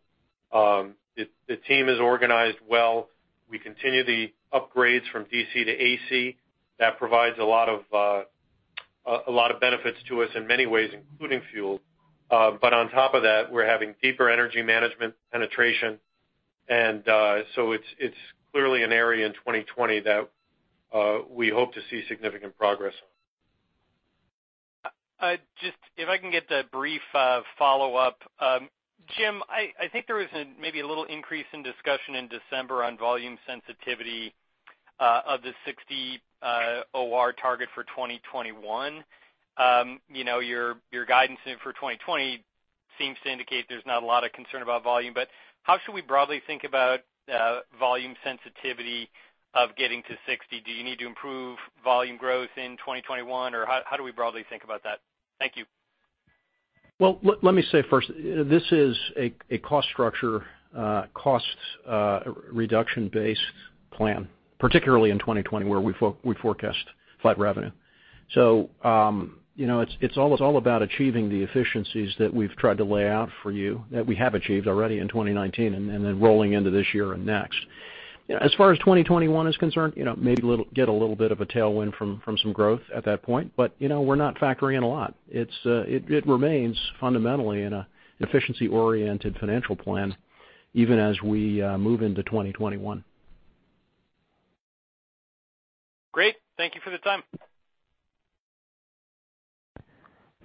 The team is organized well. We continue the upgrades from DC-to-AC. That provides a lot of benefits to us in many ways, including fuel. On top of that, we're having deeper energy management penetration. It's clearly an area in 2020 that we hope to see significant progress on. Just if I can get a brief follow-up. Jim, I think there was maybe a little increase in discussion in December on volume sensitivity of the 60 OR target for 2021. Your guidance for 2020 seems to indicate there's not a lot of concern about volume, but how should we broadly think about volume sensitivity of getting to 60? Do you need to improve volume growth in 2021, or how do we broadly think about that? Thank you. Well, let me say first, this is a cost structure, cost reduction-based plan, particularly in 2020, where we forecast flat revenue. It's all about achieving the efficiencies that we've tried to lay out for you, that we have achieved already in 2019, and then rolling into this year and next. As far as 2021 is concerned, maybe get a little bit of a tailwind from some growth at that point. We're not factoring in a lot. It remains fundamentally an efficiency-oriented financial plan, even as we move into 2021. Great. Thank you for the time.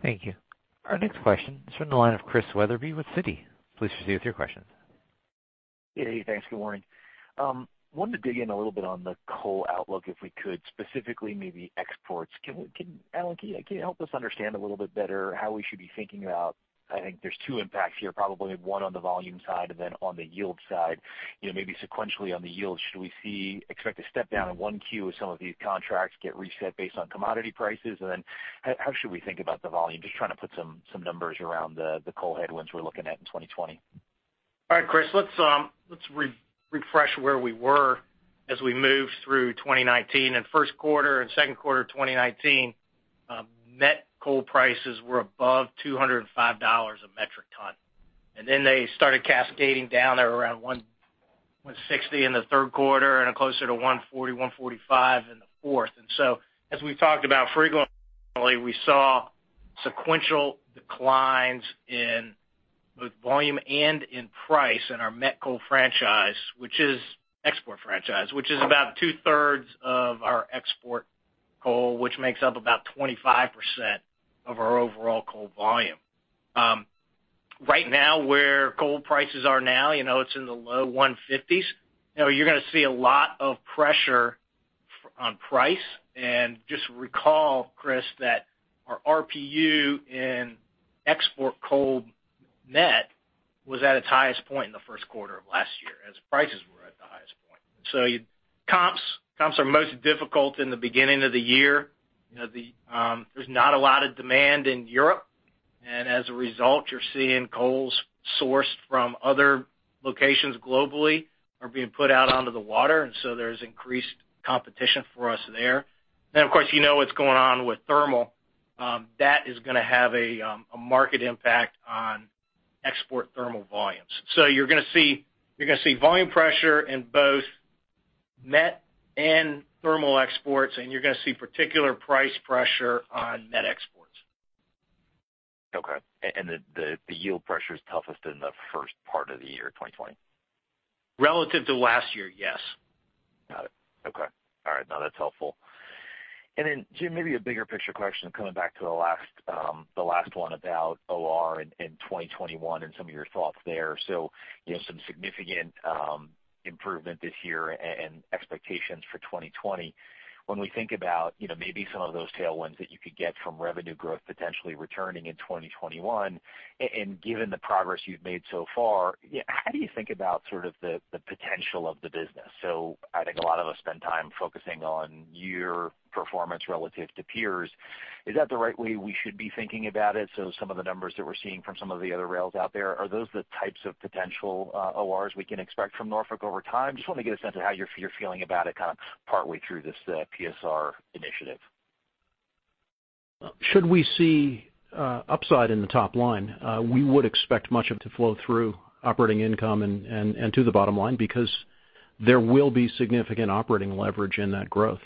Thank you. Our next question is from the line of Christian Wetherbee with Citi. Please proceed with your questions. Hey, thanks. Good morning. Wanted to dig in a little bit on the coal outlook, if we could, specifically maybe exports. Alan, can you help us understand a little bit better how we should be thinking about, I think there's two impacts here, probably one on the volume side and then on the yield side. Maybe sequentially on the yield, should we expect a step down in 1Q as some of these contracts get reset based on commodity prices? How should we think about the volume? Just trying to put some numbers around the coal headwinds we're looking at in 2020. All right, Chris, let's refresh where we were as we move through 2019. In Q1 and Q2 2019, met coal prices were above $205 a metric ton. They started cascading down. They were around $160 in the Q3 and closer to $140, $145 in the fourth. As we've talked about frequently, we saw sequential declines in both volume and in price in our met coal franchise, which is export franchise, which is about two-thirds of our export coal, which makes up about 25% of our overall coal volume. Right now, where coal prices are now, it's in the low $150s. You're going to see a lot of pressure on price. Just recall, Chris, that our RPU in export coal met was at its highest point in the Q1 of last year, as prices were at the highest point. Comps are most difficult in the beginning of the year. There's not a lot of demand in Europe, and as a result, you're seeing coals sourced from other locations globally are being put out onto the water, and so there's increased competition for us there. Of course, you know what's going on with thermal. That is going to have a market impact on export thermal volumes. You're going to see volume pressure in both met and thermal exports, and you're going to see particular price pressure on met exports. Okay. The yield pressure's toughest in the first part of the year 2020? Relative to last year, yes. Got it. Okay. All right. No, that's helpful. Jim, maybe a bigger picture question coming back to the last one about OR in 2021 and some of your thoughts there. Some significant improvement this year and expectations for 2020. When we think about maybe some of those tailwinds that you could get from revenue growth potentially returning in 2021, and given the progress you've made so far, how do you think about sort of the potential of the business? I think a lot of us spend time focusing on year performance relative to peers. Is that the right way we should be thinking about it? Some of the numbers that we're seeing from some of the other rails out there, are those the types of potential ORs we can expect from Norfolk over time? Just want to get a sense of how you're feeling about it kind of partway through this PSR initiative? Should we see upside in the top line, we would expect much of it to flow through operating income and to the bottom line because there will be significant operating leverage in that growth.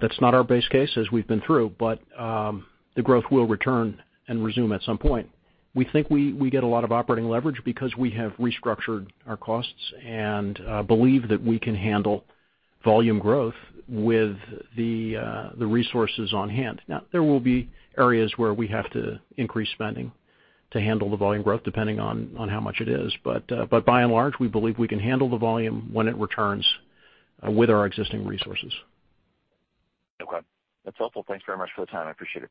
That's not our base case, as we've been through, but the growth will return and resume at some point. We think we get a lot of operating leverage because we have restructured our costs and believe that we can handle volume growth with the resources on hand. There will be areas where we have to increase spending to handle the volume growth, depending on how much it is. By and large, we believe we can handle the volume when it returns with our existing resources. Okay. That's helpful. Thanks very much for the time. I appreciate it.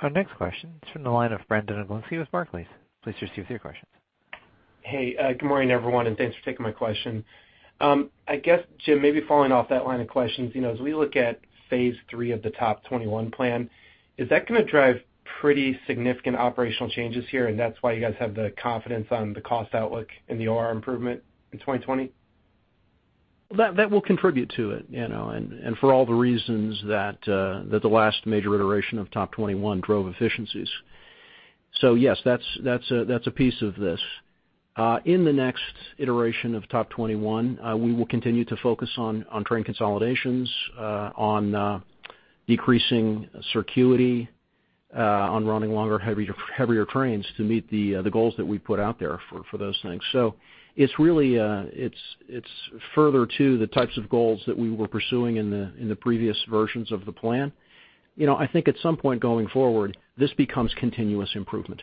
Our next question is from the line of Brandon Oglenski with Barclays. Please proceed with your question. Hey, good morning, everyone, and thanks for taking my question. I guess, Jim, maybe following off that line of questions, as we look at phase III of the TOP21 plan, is that going to drive pretty significant operational changes here, and that's why you guys have the confidence on the cost outlook and the OR improvement in 2020? That will contribute to it, for all the reasons that the last major iteration of TOP21 drove efficiencies. Yes, that's a piece of this. In the next iteration of TOP21, we will continue to focus on train consolidations, on decreasing circuity, on running longer, heavier trains to meet the goals that we put out there for those things. It's further to the types of goals that we were pursuing in the previous versions of the plan. I think at some point going forward, this becomes continuous improvement.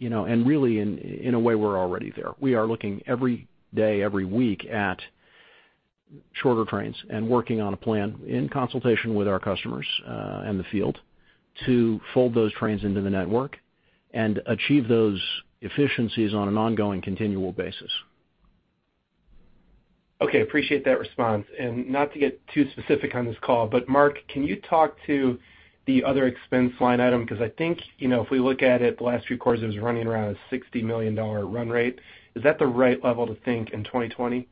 Really, in a way, we're already there. We are looking every day, every week at shorter trains and working on a plan in consultation with our customers in the field to fold those trains into the network and achieve those efficiencies on an ongoing continual basis. Okay. Appreciate that response. Not to get too specific on this call, but Mark, can you talk to the other expense line item? I think, if we look at it the last few quarters, it was running around a $60 million run rate. Is that the right level to think in 2020?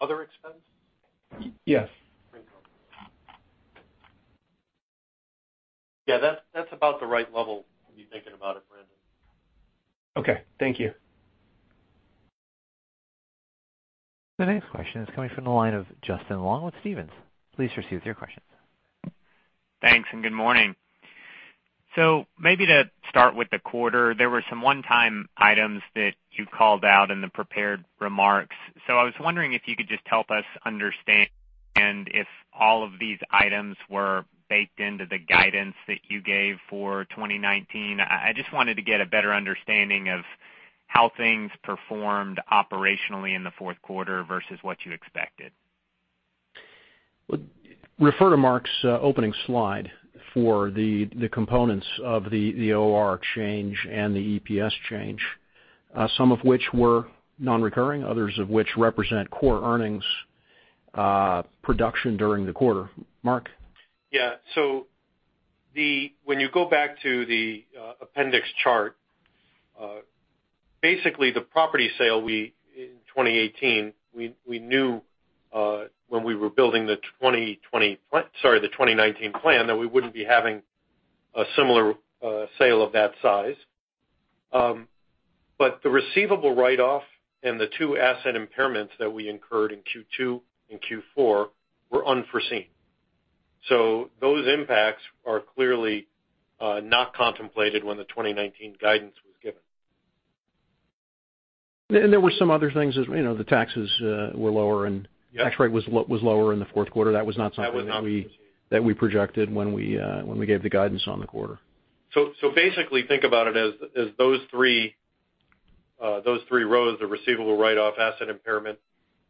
Other expense? Yes. Yeah, that's about the right level to be thinking about it, Brandon. Okay. Thank you. The next question is coming from the line of Justin Long with Stephens. Please proceed with your question. Thanks and good morning. Maybe to start with the quarter, there were some one-time items that you called out in the prepared remarks. I was wondering if you could just help us understand if all of these items were baked into the guidance that you gave for 2019. I just wanted to get a better understanding of how things performed operationally in the Q4 versus what you expected. Refer to Mark's opening slide for the components of the OR change and the EPS change, some of which were non-recurring, others of which represent core earnings production during the quarter. Mark? Yeah. When you go back to the appendix chart, basically the property sale in 2018, we knew when we were building the 2019 plan that we wouldn't be having a similar sale of that size. The receivable write-off and the two asset impairments that we incurred in Q2 and Q4 were unforeseen. Those impacts are clearly not contemplated when the 2019 guidance was given. There were some other things, the taxes were lower. Yes tax rate was lower in the Q4. That was not something that we projected when we gave the guidance on the quarter. Basically, think about it as those three rows, the receivable write-off asset impairment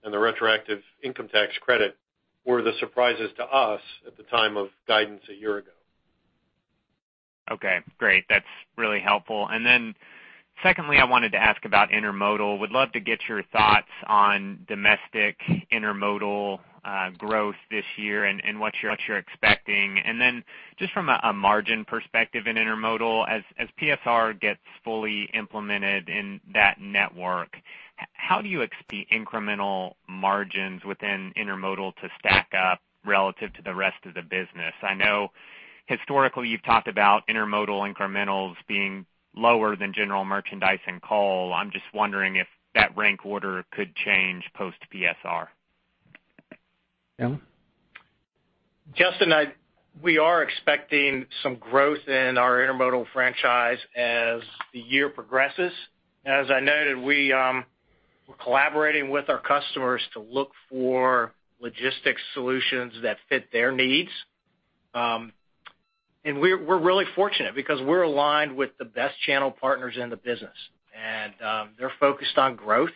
and the retroactive income tax credit, were the surprises to us at the time of guidance a year ago. Okay, great. That's really helpful. Secondly, I wanted to ask about intermodal. Would love to get your thoughts on domestic intermodal growth this year and what you're expecting. Just from a margin perspective in intermodal, as PSR gets fully implemented in that network, how do you expect the incremental margins within intermodal to stack up relative to the rest of the business? I know historically you've talked about intermodal incrementals being lower than general merchandise and coal. I'm just wondering if that rank order could change post PSR. Alan? Justin, we are expecting some growth in our intermodal franchise as the year progresses. As I noted, we're collaborating with our customers to look for logistics solutions that fit their needs. We're really fortunate because we're aligned with the best channel partners in the business, and they're focused on growth.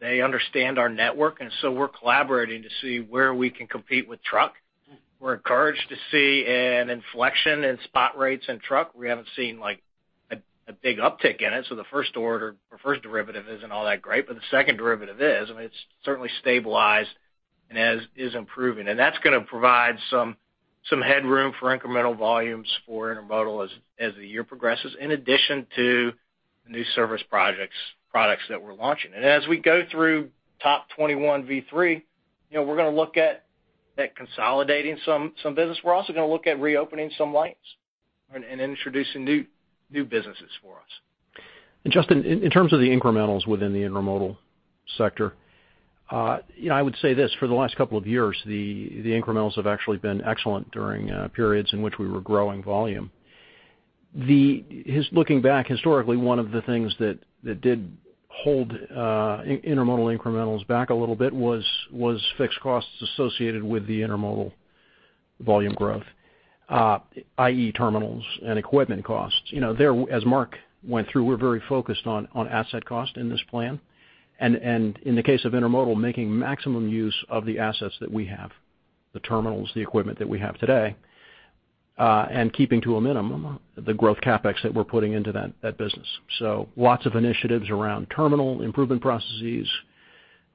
They understand our network, and so we're collaborating to see where we can compete with truck. We're encouraged to see an inflection in spot rates in truck. We haven't seen a big uptick in it, so the first order or first derivative isn't all that great, but the second derivative is, and it's certainly stabilized and is improving. That's going to provide some headroom for incremental volumes for intermodal as the year progresses, in addition to the new service products that we're launching. As we go through TOP21 V3, we're going to look at consolidating some business. We're also going to look at reopening some lines and introducing new businesses for us. Justin, in terms of the incrementals within the intermodal sector, I would say this. For the last couple of years, the incrementals have actually been excellent during periods in which we were growing volume. Looking back historically, one of the things that did hold intermodal incrementals back a little bit was fixed costs associated with the intermodal volume growth, i.e., terminals and equipment costs. As Mark went through, we're very focused on asset cost in this plan, and in the case of intermodal, making maximum use of the assets that we have, the terminals, the equipment that we have today, and keeping to a minimum the growth CapEx that we're putting into that business. Lots of initiatives around terminal improvement processes,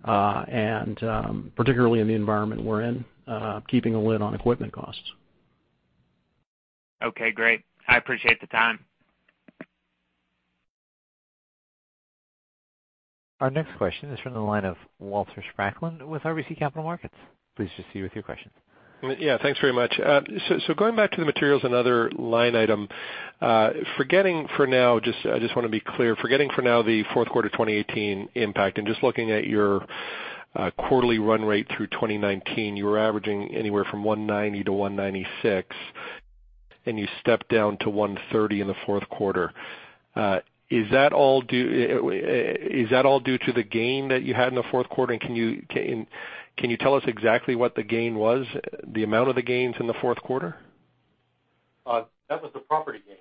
and particularly in the environment we're in, keeping a lid on equipment costs. Okay, great. I appreciate the time. Our next question is from the line of Walter Spracklin with RBC Capital Markets. Please proceed with your questions. Yeah, thanks very much. Going back to the materials and other line item, I just want to be clear, forgetting for now the fourth quarter 2018 impact and just looking at your quarterly run rate through 2019, you were averaging anywhere from 190 - 196, and you stepped down to 130 in the fourth quarter. Is that all due to the gain that you had in the Q4, and can you tell us exactly what the gain was, the amount of the gains in the Q4? That was the property gain.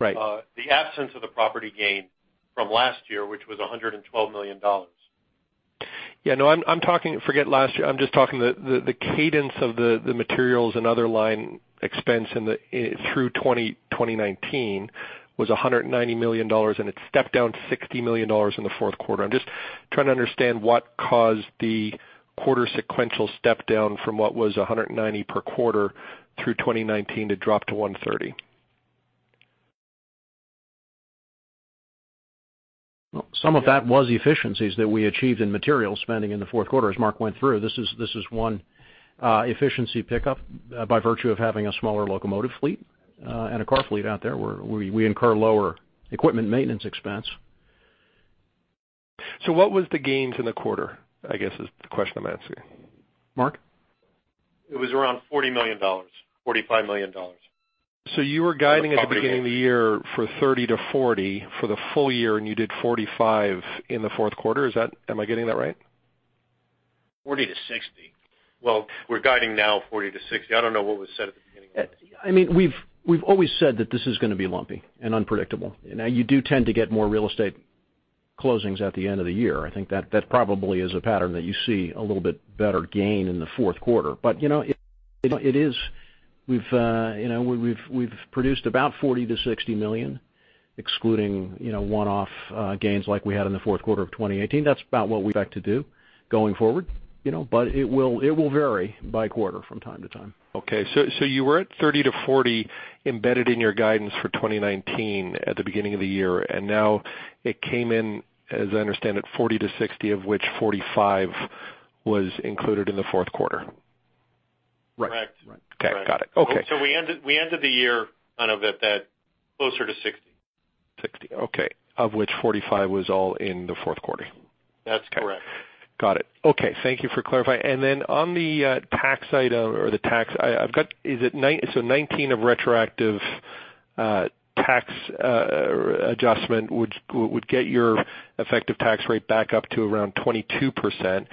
Right. The absence of the property gain from last year, which was $112 million. Yeah, no, forget last year. I'm just talking the cadence of the materials and other line expense through 2019 was $190 million, and it stepped down $60 million in the Q4. I'm just trying to understand what caused the quarter sequential step down from what was $190 per quarter through 2019 to drop to $130. Some of that was the efficiencies that we achieved in material spending in the Q4, as Mark went through. This is one efficiency pickup by virtue of having a smaller locomotive fleet and a car fleet out there where we incur lower equipment maintenance expense. What was the gains in the quarter, I guess, is the question I'm asking? Mark? It was around $40 million, $45 million. You were guiding at the beginning of the year for 30-40 for the full year, and you did 45 in the Q4. Am I getting that right? 40-60. Well, we're guiding now 40-60. I don't know what was said at the beginning of the year. We've always said that this is going to be lumpy and unpredictable. Now you do tend to get more real estate closings at the end of the year. I think that probably is a pattern that you see a little bit better gain in the Q4. You know, it. It is. We've produced about $40 million-$60 million, excluding one-off gains like we had in the Q4 of 2018. That's about what we expect to do going forward. It will vary by quarter from time to time. Okay, you were at 30 - 40 embedded in your guidance for 2019 at the beginning of the year, now it came in, as I understand it, 40 - 60, of which 45 was included in the Q4. Right. Correct. Okay. Got it. Okay. We ended the year closer to 60. 60, okay. Of which 45 was all in the fourth quarter. That's correct. Got it. Okay. Thank you for clarifying. On the tax item or the tax, 19 of retroactive tax adjustment, which would get your effective tax rate back up to around 22%,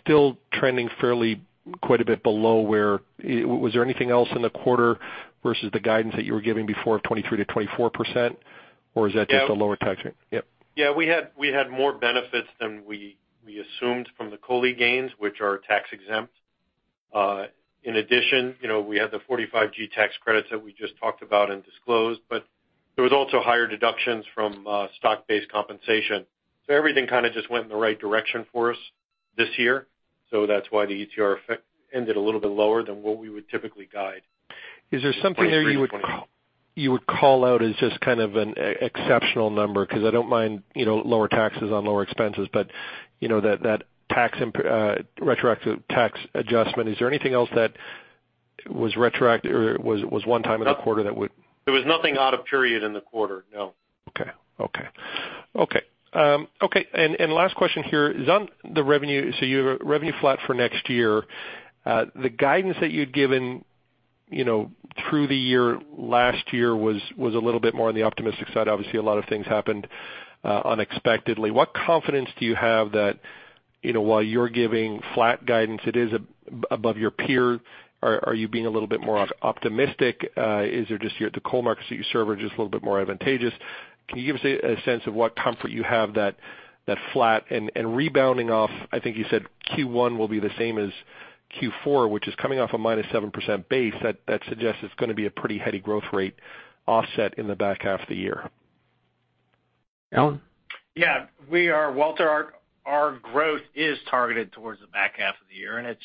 still trending fairly quite a bit below where. Was there anything else in the quarter versus the guidance that you were giving before of 23%-24%? Or is that just a lower tax rate? Yep. Yeah, we had more benefits than we assumed from the COLI gains, which are tax exempt. In addition, we had the 45G tax credits that we just talked about and disclosed, but there was also higher deductions from stock-based compensation. Everything kind of just went in the right direction for us this year, so that's why the ETR effect ended a little bit lower than what we would typically guide. Is there something there you would call out as just kind of an exceptional number, because I don't mind lower taxes on lower expenses, but that retroactive tax adjustment, is there anything else that was retroactive or was one time in the quarter? There was nothing out of period in the quarter, no. Okay. Last question here is on the revenue. You have revenue flat for next year. The guidance that you'd given through the year last year was a little bit more on the optimistic side. Obviously, a lot of things happened unexpectedly. What confidence do you have that while you're giving flat guidance, it is above your peer? Are you being a little bit more optimistic? Is it just the coal markets that you serve are just a little bit more advantageous? Can you give us a sense of what comfort you have that flat and rebounding off, I think you said Q1 will be the same as Q4, which is coming off a minus seven percent base. That suggests it's going to be a pretty heady growth rate offset in the back half of the year. Alan? Yeah. Walter, our growth is targeted towards the back half of the year, and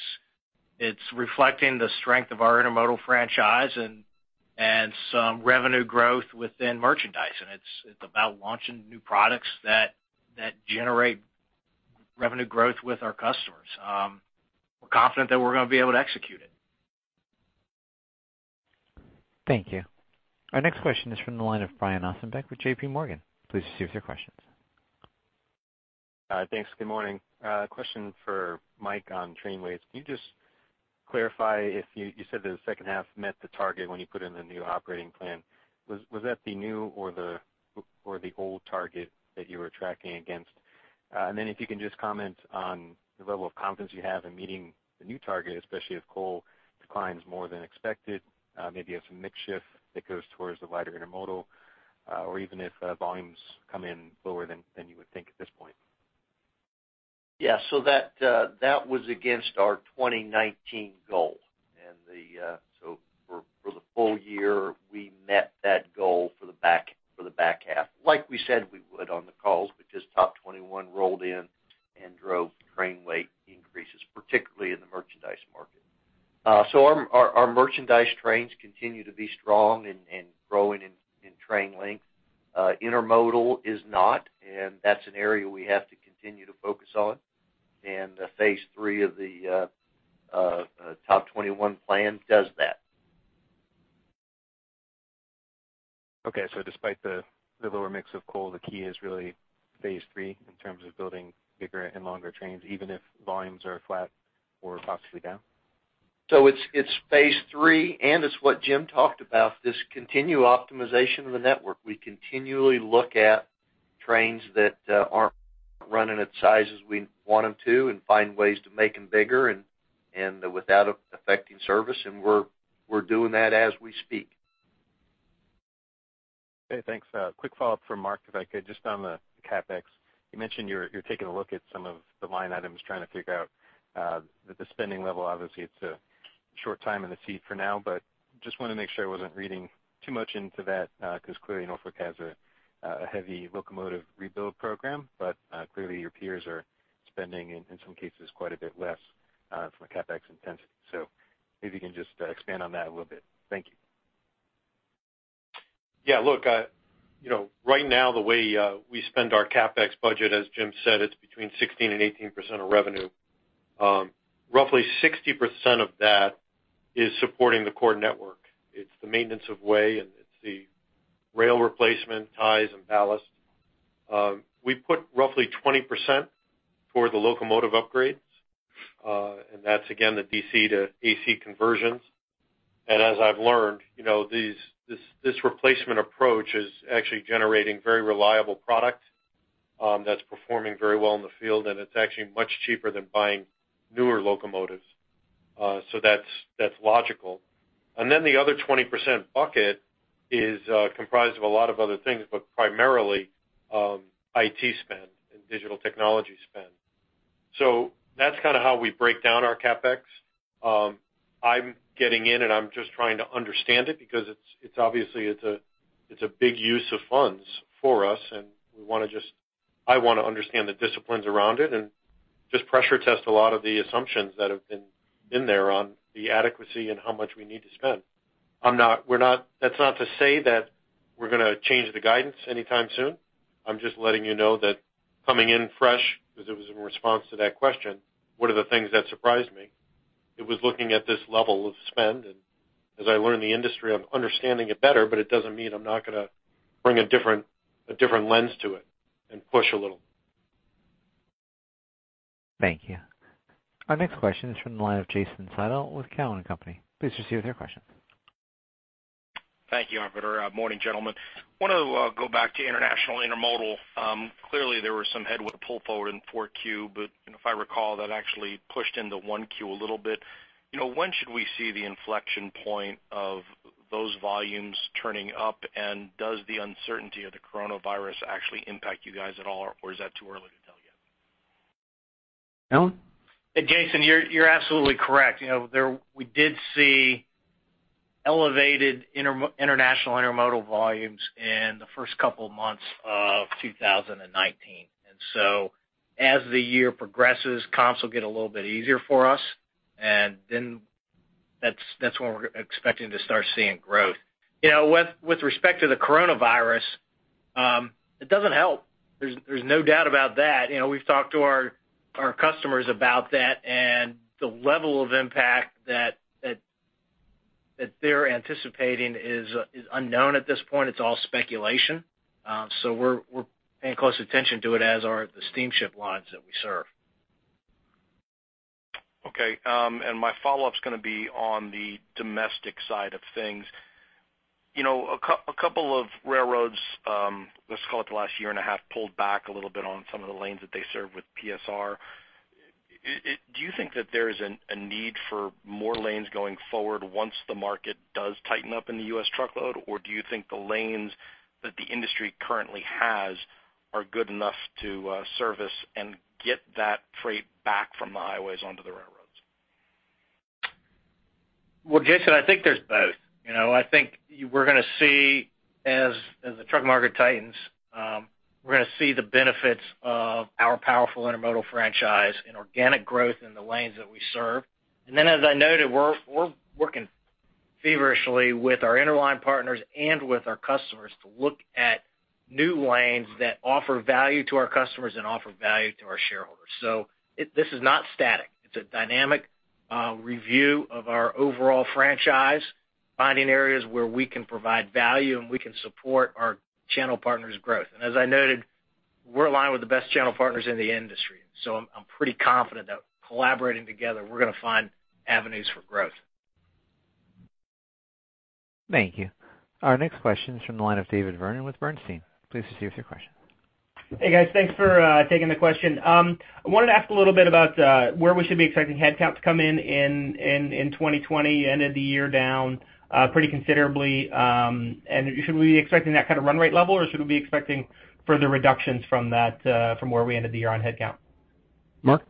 it's reflecting the strength of our intermodal franchise and some revenue growth within merchandise. It's about launching new products that generate revenue growth with our customers. We're confident that we're going to be able to execute it. Thank you. Our next question is from the line of Brian Ossenbeck with J.P. Morgan, please proceed with your questions. Thanks. Good morning. Question for Mike on train weights. Can you just clarify if you said that the second half met the target when you put in the new operating plan, was that the new or the old target that you were tracking against? If you can just comment on the level of confidence you have in meeting the new target, especially if coal declines more than expected, maybe if some mix shift that goes towards the lighter intermodal, or even if volumes come in lower than you would think at this point. Yeah. That was against our 2019 goal. For the full year, we met that goal for the back half. Like we said we would on the calls because TOP21 rolled in and drove train weight increases, particularly in the merchandise market. Our merchandise trains continue to be strong and growing in train length. Intermodal is not, and that's an area we have to continue to focus on, and phase III of the TOP21 plan does that. Okay, despite the lower mix of coal, the key is really phase III in terms of building bigger and longer trains, even if volumes are flat or possibly down? It's phase III and it's what Jim talked about, this continued optimization of the network. We continually look at trains that aren't running at sizes we want them to and find ways to make them bigger and without affecting service, and we're doing that as we speak. Okay, thanks. Quick follow-up from Mark, if I could, just on the CapEx. You mentioned you're taking a look at some of the line items, trying to figure out the spending level. Obviously, it's a short time in the seat for now, but just want to make sure I wasn't reading too much into that because clearly Norfolk Southern has a heavy locomotive rebuild program, but clearly your peers are spending, in some cases, quite a bit less from a CapEx intensity. Maybe you can just expand on that a little bit. Thank you. Look, right now the way we spend our CapEx budget, as Jim said, it's between 16% and 18% of revenue. Roughly 60% of that is supporting the core network. It's the maintenance of way, and it's the rail replacement, ties, and ballast. We put roughly 20% for the locomotive upgrades, and that's again the DC-to-AC conversions. As I've learned, this replacement approach is actually generating very reliable product that's performing very well in the field, and it's actually much cheaper than buying newer locomotives. That's logical. Then the other 20% bucket is comprised of a lot of other things, but primarily IT spend and digital technology spend. That's how we break down our CapEx. I'm getting in, and I'm just trying to understand it because obviously it's a big use of funds for us, and I want to understand the disciplines around it and just pressure test a lot of the assumptions that have been in there on the adequacy and how much we need to spend. That's not to say that we're going to change the guidance anytime soon. I'm just letting you know that coming in fresh, because it was in response to that question, what are the things that surprised me? It was looking at this level of spend, and as I learn the industry, I'm understanding it better, but it doesn't mean I'm not going to bring a different lens to it and push a little. Thank you. Our next question is from the line of Jason Seidl with Cowen Company. Please proceed with your question. Thank you, operator. Morning, gentlemen. Want to go back to international intermodal. Clearly, there was some headwind pull forward in the 4Q, but if I recall, that actually pushed into 1Q a little bit. When should we see the inflection point of those volumes turning up? Does the uncertainty of the coronavirus actually impact you guys at all, or is that too early to tell yet? Alan? Hey, Jason, you're absolutely correct. We did see elevated international intermodal volumes in the first couple of months of 2019. As the year progresses, comps will get a little bit easier for us, and then that's when we're expecting to start seeing growth. With respect to the coronavirus, it doesn't help. There's no doubt about that. We've talked to our customers about that, and the level of impact that they're anticipating is unknown at this point. It's all speculation. We're paying close attention to it, as are the steamship lines that we serve. Okay. My follow-up's going to be on the domestic side of things. A couple of railroads, let's call it the last year and a half, pulled back a little bit on some of the lanes that they serve with PSR. Do you think that there is a need for more lanes going forward once the market does tighten up in the U.S. truckload, or do you think the lanes that the industry currently has are good enough to service and get that freight back from the highways onto the railroads? Jason, I think there's both. I think as the truck market tightens, we're going to see the benefits of our powerful intermodal franchise in organic growth in the lanes that we serve. As I noted, we're working feverishly with our interline partners and with our customers to look at new lanes that offer value to our customers and offer value to our shareholders. This is not static. It's a dynamic review of our overall franchise, finding areas where we can provide value, and we can support our channel partners' growth. As I noted, we're aligned with the best channel partners in the industry, I'm pretty confident that collaborating together, we're going to find avenues for growth. Thank you. Our next question is from the line of David Vernon with Bernstein. Please proceed with your question. Hey, guys. Thanks for taking the question. I wanted to ask a little bit about where we should be expecting headcount to come in in 2020. You ended the year down pretty considerably. Should we be expecting that kind of run rate level, or should we be expecting further reductions from where we ended the year on headcount? Mark?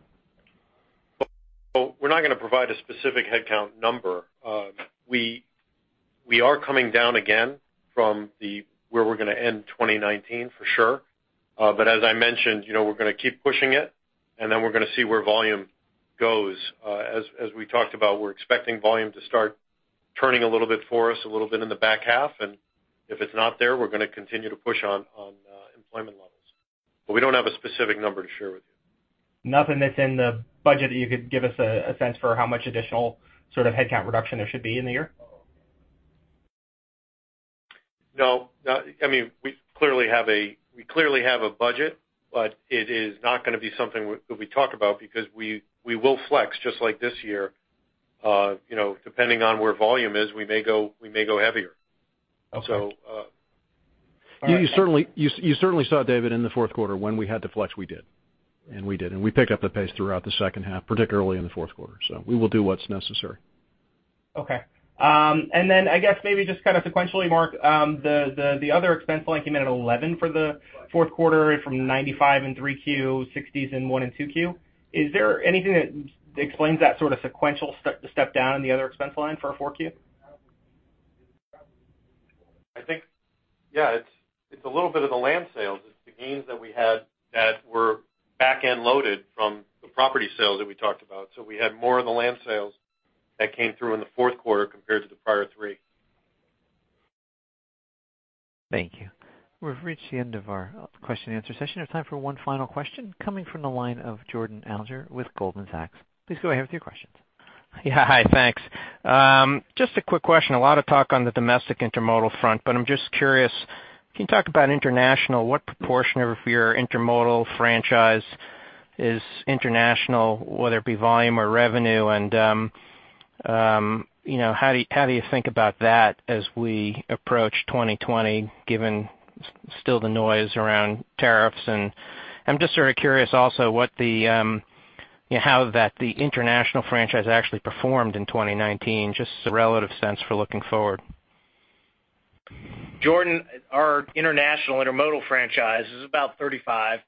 We're not going to provide a specific headcount number. We are coming down again from where we're going to end 2019, for sure. As I mentioned, we're going to keep pushing it, and then we're going to see where volume goes. We talked about, we're expecting volume to start turning a little bit for us a little bit in the back half, and if it's not there, we're going to continue to push on employment levels. We don't have a specific number to share with you. Nothing that's in the budget that you could give us a sense for how much additional headcount reduction there should be in the year? No. We clearly have a budget, but it is not going to be something that we talk about because we will flex, just like this year. Depending on where volume is, we may go heavier. Okay. You certainly saw, David, in the Q4, when we had to flex, we did. We picked up the pace throughout the second half, particularly in the Q4. We will do what's necessary. Okay. Then I guess maybe just sequentially, Mark, the other expense line came in at $11 for the Q4 from $95 in Q3, $60s in Q1 and Q2. Is there anything that explains that sort of sequential step down in the other expense line for our Q4? I think, yeah, it's a little bit of the land sales. It's the gains that we had that were back-end loaded from the property sales that we talked about. We had more of the land sales that came through in the fourth quarter compared to the prior three. Thank you. We've reached the end of our question and answer session. We have time for one final question coming from the line of Jordan Alliger with Goldman Sachs. Please go ahead with your questions. Yeah. Hi, thanks. Just a quick question. A lot of talk on the domestic intermodal front, but I'm just curious, can you talk about international? What proportion of your intermodal franchise is international, whether it be volume or revenue? How do you think about that as we approach 2020, given still the noise around tariffs? I'm just sort of curious also how the international franchise actually performed in 2019, just as a relative sense for looking forward. Jordan, our international intermodal franchise is about 35%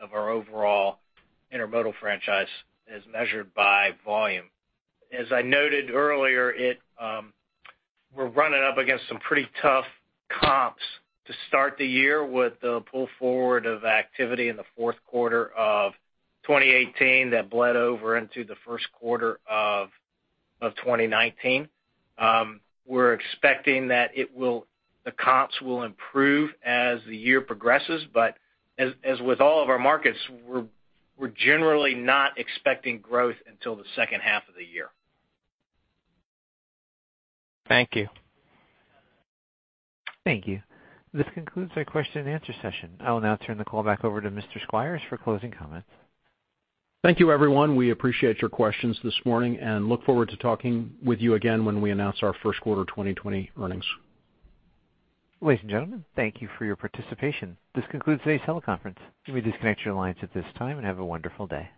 of our overall intermodal franchise as measured by volume. As I noted earlier, we're running up against some pretty tough comps to start the year with the pull forward of activity in the Q4 of 2018 that bled over into the Q1 of 2019. We're expecting that the comps will improve as the year progresses. As with all of our markets, we're generally not expecting growth until the second half of the year. Thank you. Thank you. This concludes our question and answer session. I will now turn the call back over to Mr. Squires for closing comments. Thank you, everyone. We appreciate your questions this morning and look forward to talking with you again when we announce our first quarter 2020 earnings. Ladies and gentlemen, thank you for your participation. This concludes today's teleconference. You may disconnect your lines at this time, and have a wonderful day.